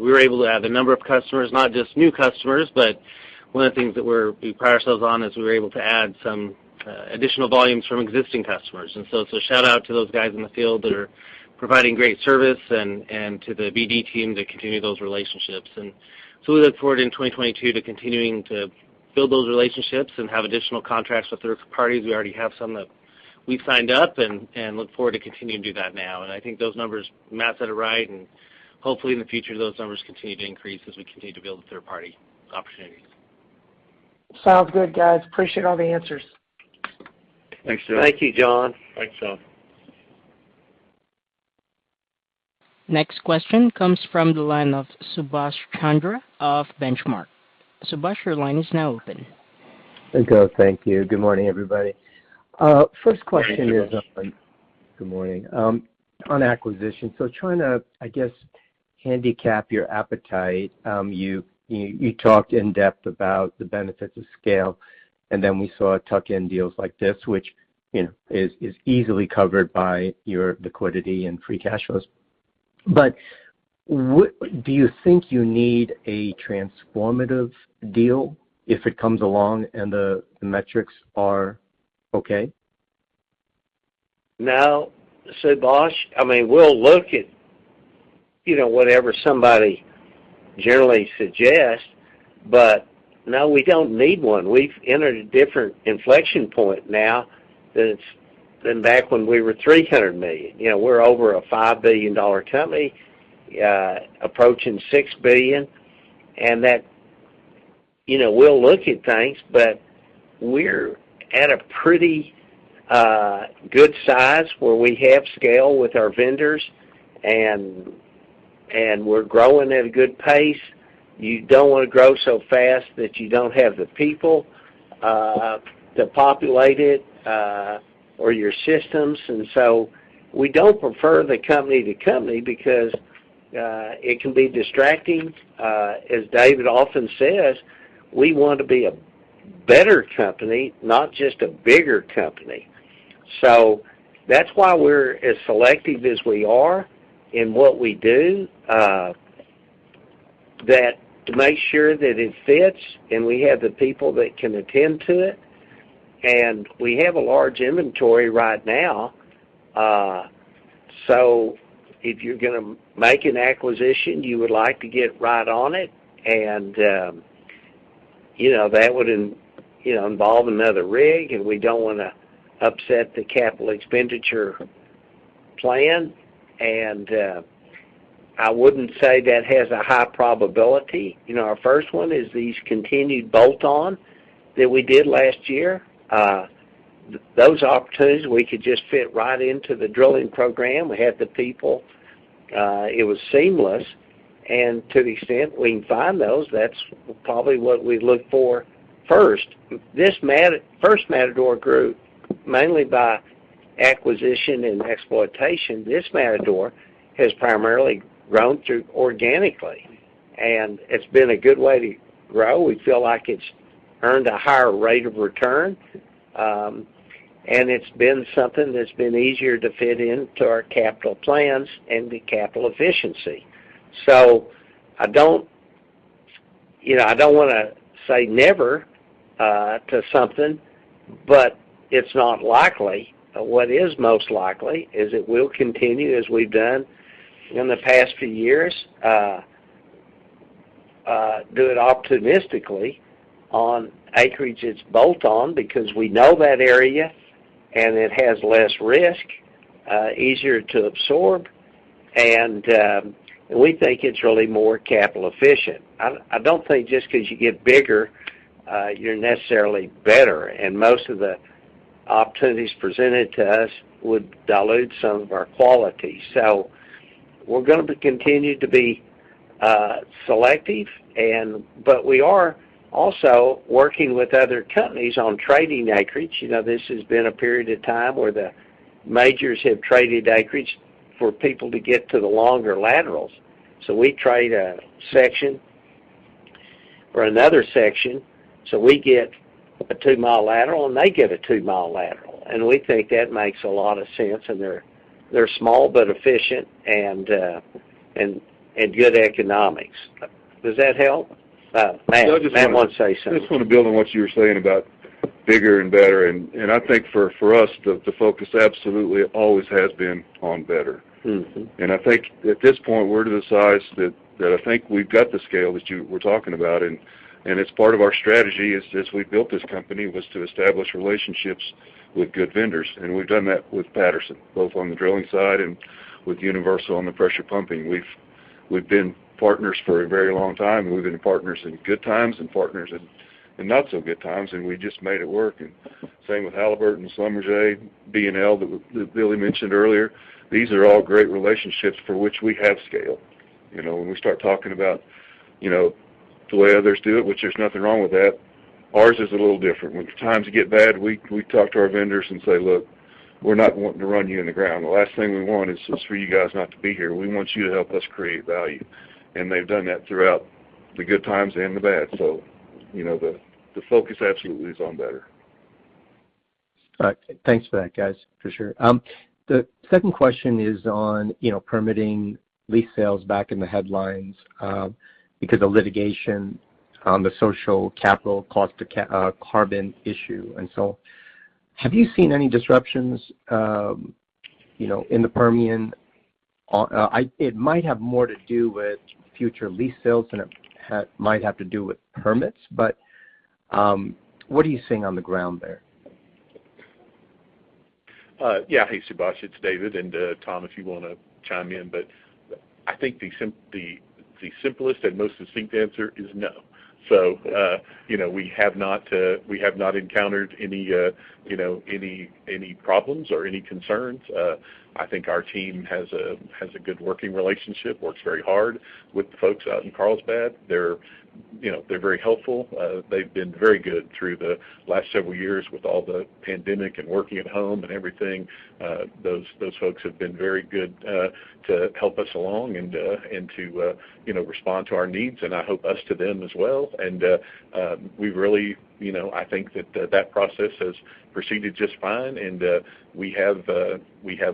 We were able to add a number of customers, not just new customers, but one of the things that we're we pride ourselves on is we were able to add some additional volumes from existing customers. Shout out to those guys in the field that are providing great service and to the BD team to continue those relationships. We look forward in 2022 to continuing to build those relationships and have additional contracts with third parties. We already have some that we've signed up and look forward to continuing to do that now. I think those numbers Matt said are right, and hopefully in the future those numbers continue to increase as we continue to build the third-party opportunities. Sounds good, guys. Appreciate all the answers. Thanks, John. Thank you, John. Thanks, John. Next question comes from the line of Subash Chandra of Benchmark. Subash, your line is now open. There you go. Thank you. Good morning, everybody. First question is- Good morning. Good morning. On acquisition, trying to, I guess, handicap your appetite. You talked in depth about the benefits of scale, and then we saw tuck-in deals like this, which, you know, is easily covered by your liquidity and free cash flows. Do you think you need a transformative deal if it comes along and the metrics are okay? No, Subash. I mean, we'll look at, you know, whatever somebody generally suggests, but no, we don't need one. We've entered a different inflection point now than back when we were $300 million. You know, we're over a $5 billion company, approaching $6 billion, and that's. You know, we'll look at things, but we're at a pretty good size where we have scale with our vendors and we're growing at a good pace. You don't wanna grow so fast that you don't have the people to populate it or your systems. We don't prefer the company to company because it can be distracting. As David often says, "We want to be a better company, not just a bigger company." That's why we're as selective as we are in what we do, to make sure that it fits and we have the people that can attend to it. We have a large inventory right now, so if you're gonna make an acquisition, you would like to get right on it and, you know, that would, you know, involve another rig, and we don't wanna upset the capital expenditure plan. I wouldn't say that has a high probability. You know, our first one is these continued bolt-on that we did last year. Those opportunities we could just fit right into the drilling program. We had the people. It was seamless. To the extent we can find those, that's probably what we look for first. First Matador grew mainly by acquisition and exploitation. This Matador has primarily grown through organically, and it's been a good way to grow. We feel like it's earned a higher rate of return, and it's been something that's been easier to fit into our capital plans and be capital efficient. I don't, you know, I don't wanna say never to something, but it's not likely. What is most likely is it will continue as we've done in the past few years, do it optimistically on acreage it's bolt-on because we know that area, and it has less risk, easier to absorb, and we think it's really more capital efficient. I don't think just 'cause you get bigger, you're necessarily better, and most of the opportunities presented to us would dilute some of our quality. We're gonna continue to be selective, but we are also working with other companies on trading acreage. You know, this has been a period of time where the majors have traded acreage for people to get to the longer laterals. We trade a section for another section, so we get a two-mile lateral, and they get a two-mile lateral. We think that makes a lot of sense, and they're small but efficient and good economics. Does that help? Matt, want to say something. No, I just wanna build on what you were saying about bigger and better. I think for us, the focus absolutely always has been on better. Mm-hmm. I think at this point, we're to the size that I think we've got the scale that you were talking about, and it's part of our strategy is we built this company was to establish relationships with good vendors. We've done that with Patterson, both on the drilling side and with Universal on the pressure pumping. We've been partners for a very long time, and we've been partners in good times and partners in not so good times, and we just made it work. Same with Halliburton, Schlumberger, BNL that Billy mentioned earlier. These are all great relationships for which we have scale. You know, when we start talking about, you know, the way others do it, which there's nothing wrong with that, ours is a little different. When times get bad, we talk to our vendors and say, "Look, we're not wanting to run you in the ground. The last thing we want is just for you guys not to be here. We want you to help us create value." And they've done that throughout the good times and the bad. You know, the focus absolutely is on better. All right. Thanks for that, guys, for sure. The second question is on, you know, permitting lease sales back in the headlines, because of litigation on the social cost of carbon issue. Have you seen any disruptions, you know, in the Permian? It might have more to do with future lease sales than it might have to do with permits, but, what are you seeing on the ground there? Hey, Subash, it's David, and Tom, if you wanna chime in, but I think the simplest and most succinct answer is no. You know, we have not encountered any problems or any concerns. I think our team has a good working relationship, works very hard with the folks out in Carlsbad. They're very helpful. They've been very good through the last several years with all the pandemic and working at home and everything. Those folks have been very good to help us along and to respond to our needs, and I hope us to them as well. We've really... You know, I think that process has proceeded just fine, and we have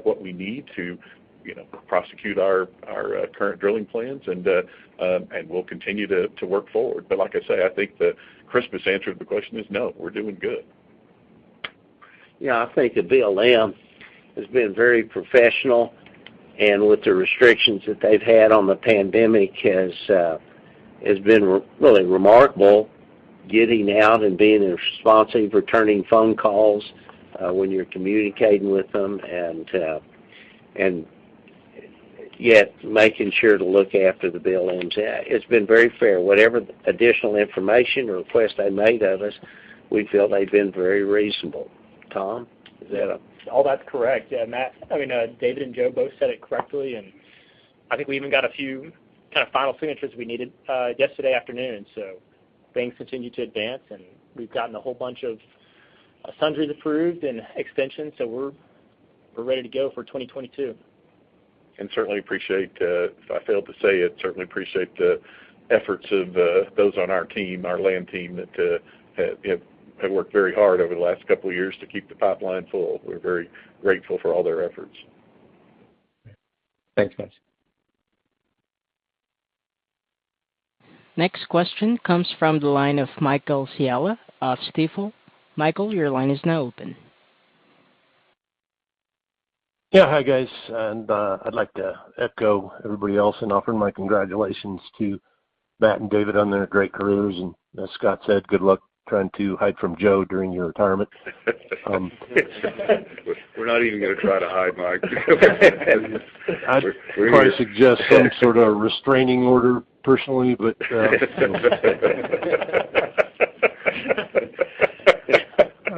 what we need to, you know, prosecute our current drilling plans and we'll continue to work forward. But like I say, I think the crispest answer to the question is no, we're doing good. Yeah. I think the BLM has been very professional, and with the restrictions that they've had on the pandemic has been really remarkable getting out and being responsive, returning phone calls, when you're communicating with them and yet making sure to look after the BLM. It's been very fair. Whatever additional information or request they made of us, we feel they've been very reasonable. Tom, is that a- All that's correct. Yeah, David and Joe both said it correctly, and I think we even got a few kind of final signatures we needed yesterday afternoon. Things continue to advance, and we've gotten a whole bunch of sundry notices approved and extensions, so we're ready to go for 2022. I certainly appreciate, if I failed to say it, certainly appreciate the efforts of those on our team, our land team that have worked very hard over the last couple years to keep the pipeline full. We're very grateful for all their efforts. Thanks, guys. Next question comes from the line of Michael Scialla of Stifel. Michael, your line is now open. Yeah. Hi, guys. I'd like to echo everybody else and offer my congratulations to Matt and David on their great careers. As Scott said, good luck trying to hide from Joe during your retirement. We're not even gonna try to hide, Mike. I'd probably suggest some sort of restraining order personally, but I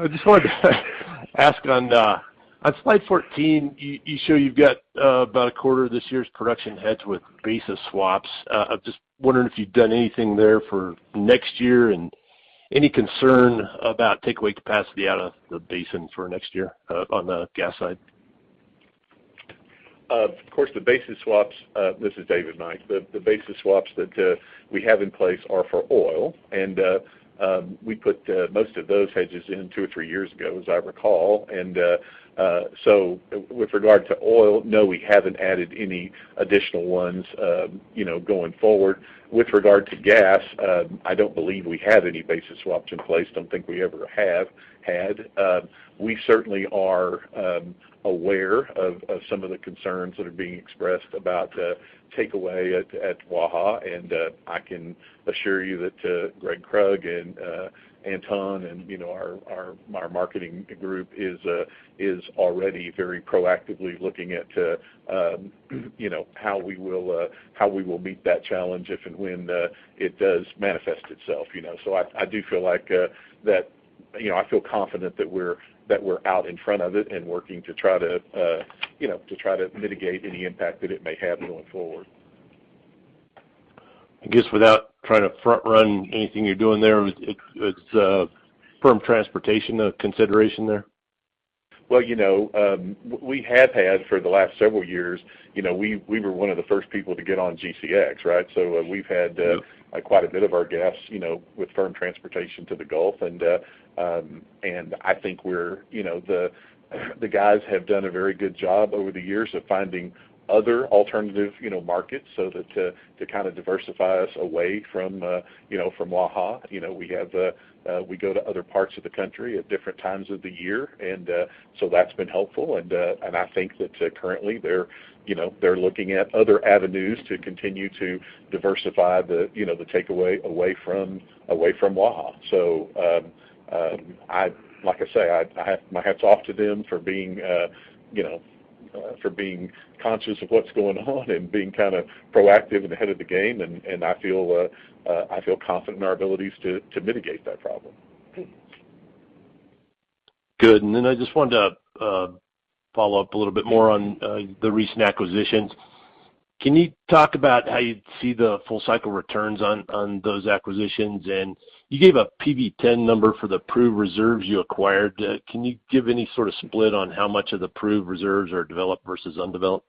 just wanted to ask on slide 14, you show you've got about a quarter of this year's production hedged with basis swaps. I'm just wondering if you've done anything there for next year and any concern about takeaway capacity out of the basin for next year on the gas side? Of course, the basis swaps. This is David, Mike. The basis swaps that we have in place are for oil. We put most of those hedges in two or three years ago, as I recall. With regard to oil, no, we haven't added any additional ones, you know, going forward. With regard to gas, I don't believe we have any basis swaps in place. I don't think we ever have had. We certainly are aware of some of the concerns that are being expressed about the takeaway at Waha. I can assure you that Gregg Krug and Anton and, you know, my marketing group is already very proactively looking at, you know, how we will meet that challenge if and when it does manifest itself, you know. I do feel like that. You know, I feel confident that we're out in front of it and working to try to mitigate any impact that it may have going forward. I guess without trying to front run anything you're doing there, is firm transportation a consideration there? Well, you know, we have had for the last several years, you know, we were one of the first people to get on GCX, right? We've had quite a bit of our gas, you know, with firm transportation to the Gulf. I think we're, you know, the guys have done a very good job over the years of finding other alternative, you know, markets so that to kind of diversify us away from, you know, from Waha. You know, we go to other parts of the country at different times of the year. That's been helpful. I think that currently they're, you know, they're looking at other avenues to continue to diversify the, you know, the takeaway away from Waha. Like I say, my hat's off to them for being, you know, for being conscious of what's going on and being kind of proactive and ahead of the game, and I feel confident in our abilities to mitigate that problem. Good. Then I just wanted to follow up a little bit more on the recent acquisitions. Can you talk about how you see the full cycle returns on those acquisitions? You gave a PV-10 number for the proved reserves you acquired. Can you give any sort of split on how much of the proved reserves are developed versus undeveloped?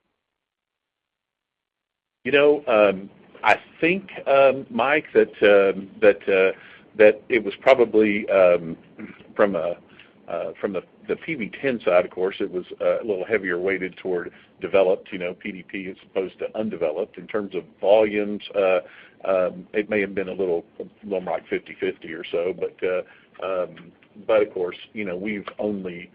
You know, I think, Mike, that it was probably from the PV-10 side, of course, it was a little heavily weighted toward developed, you know, PDP, as opposed to undeveloped. In terms of volumes, it may have been a little more like 50/50 or so. Of course, you know, we've only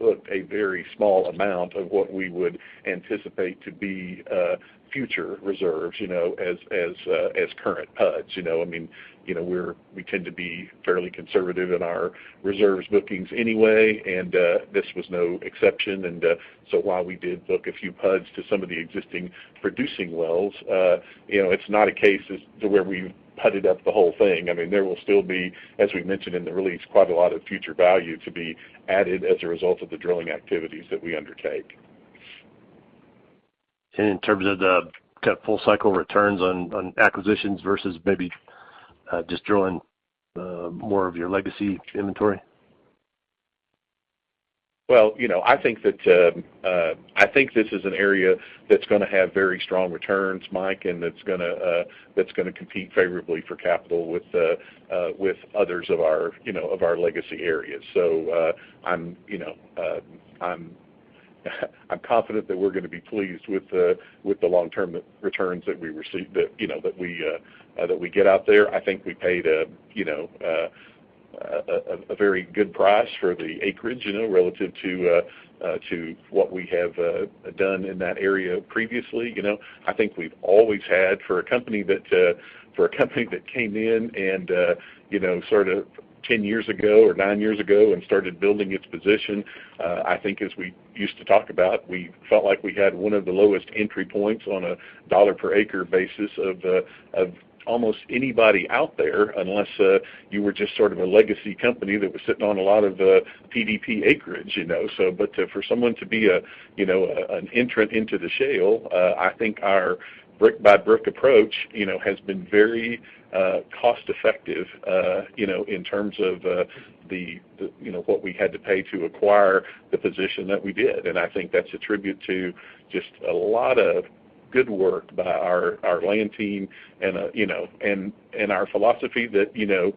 booked a very small amount of what we would anticipate to be future reserves, you know, as current PUDs, you know. I mean, you know, we tend to be fairly conservative in our reserves bookings anyway, and this was no exception. While we did book a few PUDs to some of the existing producing wells, you know, it's not a case as to where we PUD'd up the whole thing. I mean, there will still be, as we mentioned in the release, quite a lot of future value to be added as a result of the drilling activities that we undertake. In terms of the full cycle returns on acquisitions versus maybe just drilling more of your legacy inventory? Well, you know, I think this is an area that's gonna have very strong returns, Mike, and that's gonna compete favorably for capital with others of our legacy areas. I'm, you know, confident that we're gonna be pleased with the long-term returns that we receive that we get out there. I think we paid a very good price for the acreage, you know, relative to what we have done in that area previously. You know, I think we've always had for a company that came in and, you know, sort of 10 years ago or nine years ago and started building its position. I think as we used to talk about, we felt like we had one of the lowest entry points on a dollar per acre basis of almost anybody out there, unless you were just sort of a legacy company that was sitting on a lot of the PDP acreage, you know. But for someone to be a, you know, an entrant into the shale, I think our brick-by-brick approach, you know, has been very cost effective, you know, in terms of the, you know, what we had to pay to acquire the position that we did. I think that's a tribute to just a lot of good work by our land team and our philosophy that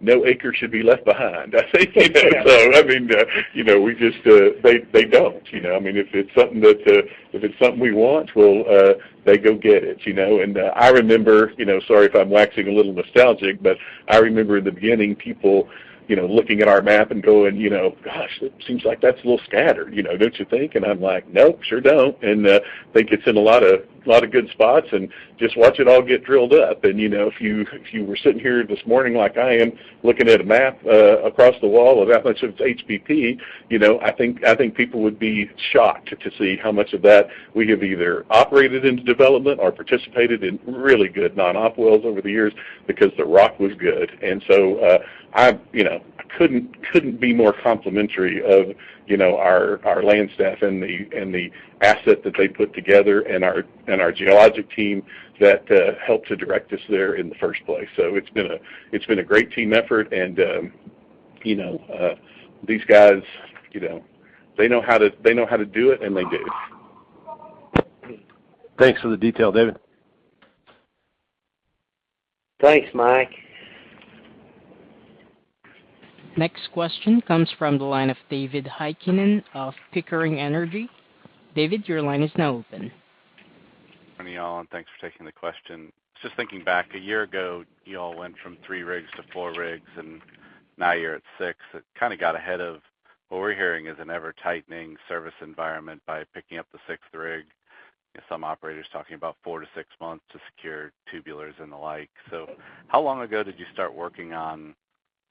no acre should be left behind. I mean, you know, they don't, you know. I mean, if it's something we want, they go get it, you know. I remember, you know, sorry if I'm waxing a little nostalgic, but I remember in the beginning, people, you know, looking at our map and going, you know, "Gosh, it seems like that's a little scattered, you know, don't you think?" I'm like, "Nope, sure don't." I think it's in a lot of good spots and just watch it all get drilled up. You know, if you were sitting here this morning, like I am, looking at a map across the wall of that much of HBP, you know, I think people would be shocked to see how much of that we have either operated into development or participated in really good non-op wells over the years because the rock was good. I couldn't be more complimentary of our land staff and the asset that they put together and our geologic team that helped to direct us there in the first place. It's been a great team effort and, you know, these guys, you know, they know how to do it, and they do. Thanks for the detail, David. Thanks, Mike. Next question comes from the line of David Heikkinen of Pickering Energy. David, your line is now open. Morning, y'all, and thanks for taking the question. Just thinking back, a year ago, y'all went from three rigs to four rigs, and now you're at six. It kinda got ahead of what we're hearing is an ever-tightening service environment by picking up the sixth rig. Some operators talking about four to six months to secure tubulars and the like. How long ago did you start working on,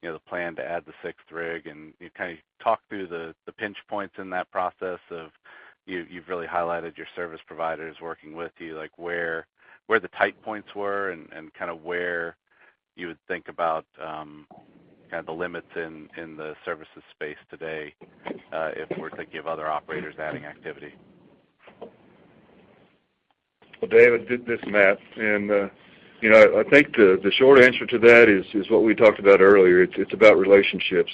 you know, the plan to add the sixth rig? And can you kinda talk through the pinch points in that process of you've really highlighted your service providers working with you, like where the tight points were and kinda where you would think about kinda the limits in the services space today, if we're thinking of other operators adding activity. Well, David, this is Matt, and you know, I think the short answer to that is what we talked about earlier. It's about relationships.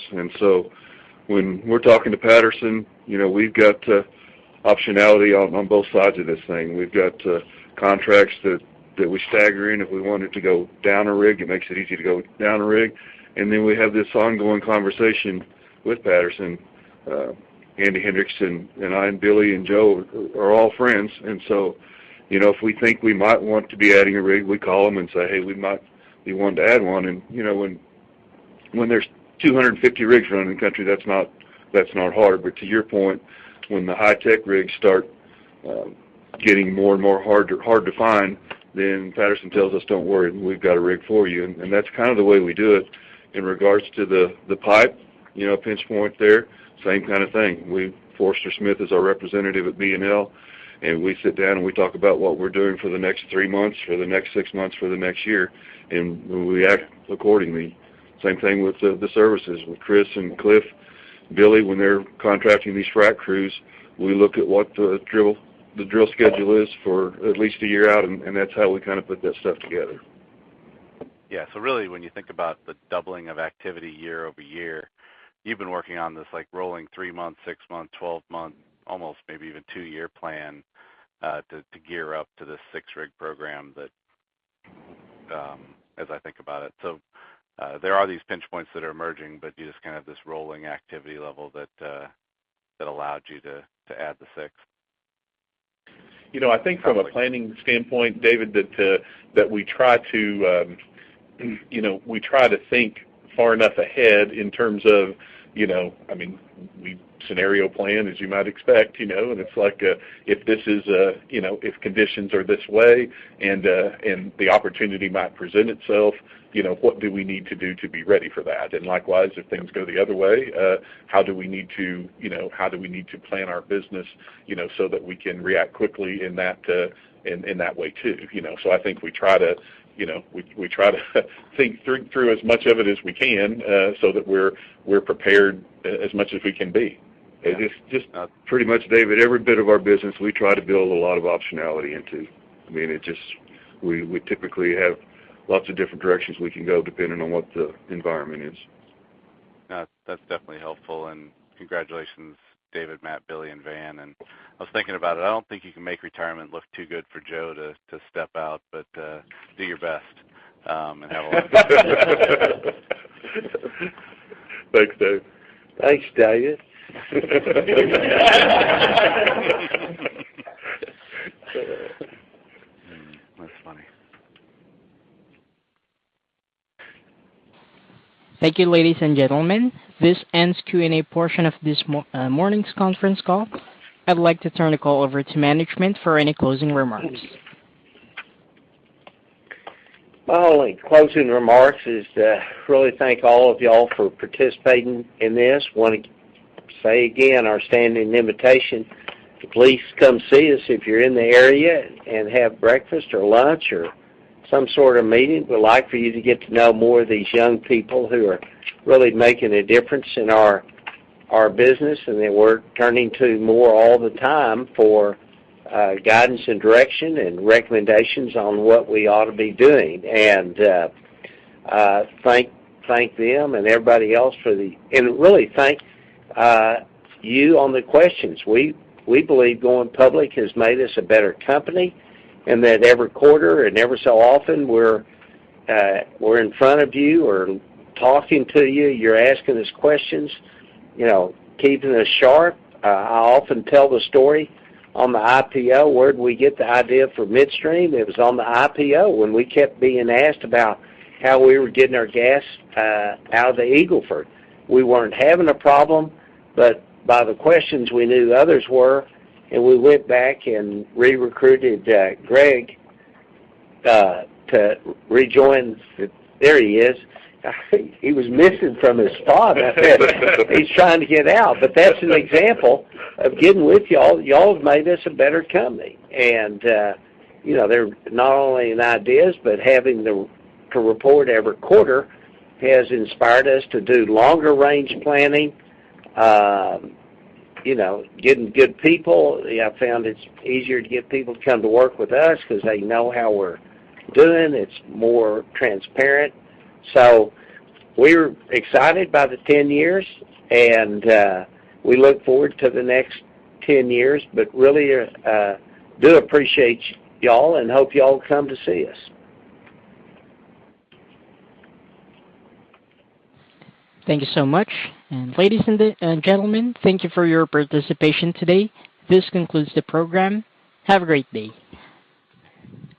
When we're talking to Patterson, you know, we've got optionality on both sides of this thing. We've got contracts that we stagger in. If we wanted to go down a rig, it makes it easy to go down a rig. We have this ongoing conversation with Patterson. Andy Hendricks and I and Billy and Joe are all friends. You know, if we think we might want to be adding a rig, we call them and say, "Hey, we might be wanting to add one." You know, when there's 250 rigs around in the country, that's not hard. To your point, when the high-tech rigs start getting more and more hard to find, then Patterson tells us, "Don't worry, we've got a rig for you." That's kind of the way we do it. In regards to the pipe, you know, pinch point there, same kind of thing. Foster Smith is our representative at BNL, and we sit down and we talk about what we're doing for the next three months, for the next six months, for the next year, and we act accordingly. Same thing with the services, with Chris and Cliff. We'll be, when they're contracting these frac crews, we look at what the drill schedule is for at least a year out, and that's how we kinda put that stuff together. Yeah. Really when you think about the doubling of activity year-over-year, you've been working on this, like, rolling three-month, six-month, 12-month, almost maybe even two-year plan, to gear up to this sixth rig program that, as I think about it. There are these pinch points that are emerging, but you just kind of this rolling activity level that allowed you to add the sixth. You know, I think from a planning standpoint, David, that we try to think far enough ahead in terms of, you know. I mean, we scenario plan, as you might expect, you know, and it's like, if this is, you know, if conditions are this way and the opportunity might present itself, you know, what do we need to do to be ready for that? Likewise, if things go the other way, how do we need to plan our business, you know, so that we can react quickly in that way too, you know? I think we try to, you know, think through as much of it as we can, so that we're prepared as much as we can be. It is just pretty much, David, every bit of our business we try to build a lot of optionality into. I mean, it just we typically have lots of different directions we can go depending on what the environment is. That's definitely helpful. Congratulations, David, Matt, Billy, and Van. I was thinking about it. I don't think you can make retirement look too good for Joe to step out, but do your best, and have a little Thanks, Dave. Thanks, David. That's funny. Thank you, ladies and gentlemen. This ends Q&A portion of this morning's conference call. I'd like to turn the call over to management for any closing remarks. My only closing remarks is to really thank all of y'all for participating in this. Wanna say again our standing invitation to please come see us if you're in the area and have breakfast or lunch or some sort of meeting. We'd like for you to get to know more of these young people who are really making a difference in our business, and that we're turning to more all the time for guidance and direction and recommendations on what we ought to be doing. Thank them and everybody else and really thank you on the questions. We believe going public has made us a better company, and that every quarter and every so often, we're in front of you or talking to you're asking us questions, you know, keeping us sharp. I often tell the story on the IPO, where'd we get the idea for midstream? It was on the IPO when we kept being asked about how we were getting our gas out of the Eagle Ford. We weren't having a problem, but by the questions, we knew others were, and we went back and re-recruited Gregg to rejoin. There he is. He was missing from his spot. He's trying to get out, but that's an example of getting with y'all. Y'all have made us a better company. You know, they're not only in ideas, but having to report every quarter has inspired us to do longer range planning, you know, getting good people. I found it's easier to get people to come to work with us 'cause they know how we're doing. It's more transparent. We're excited by the 10 years, and we look forward to the next 10 years, but really do appreciate y'all and hope y'all come to see us. Thank you so much. Ladies and gentlemen, thank you for your participation today. This concludes the program. Have a great day.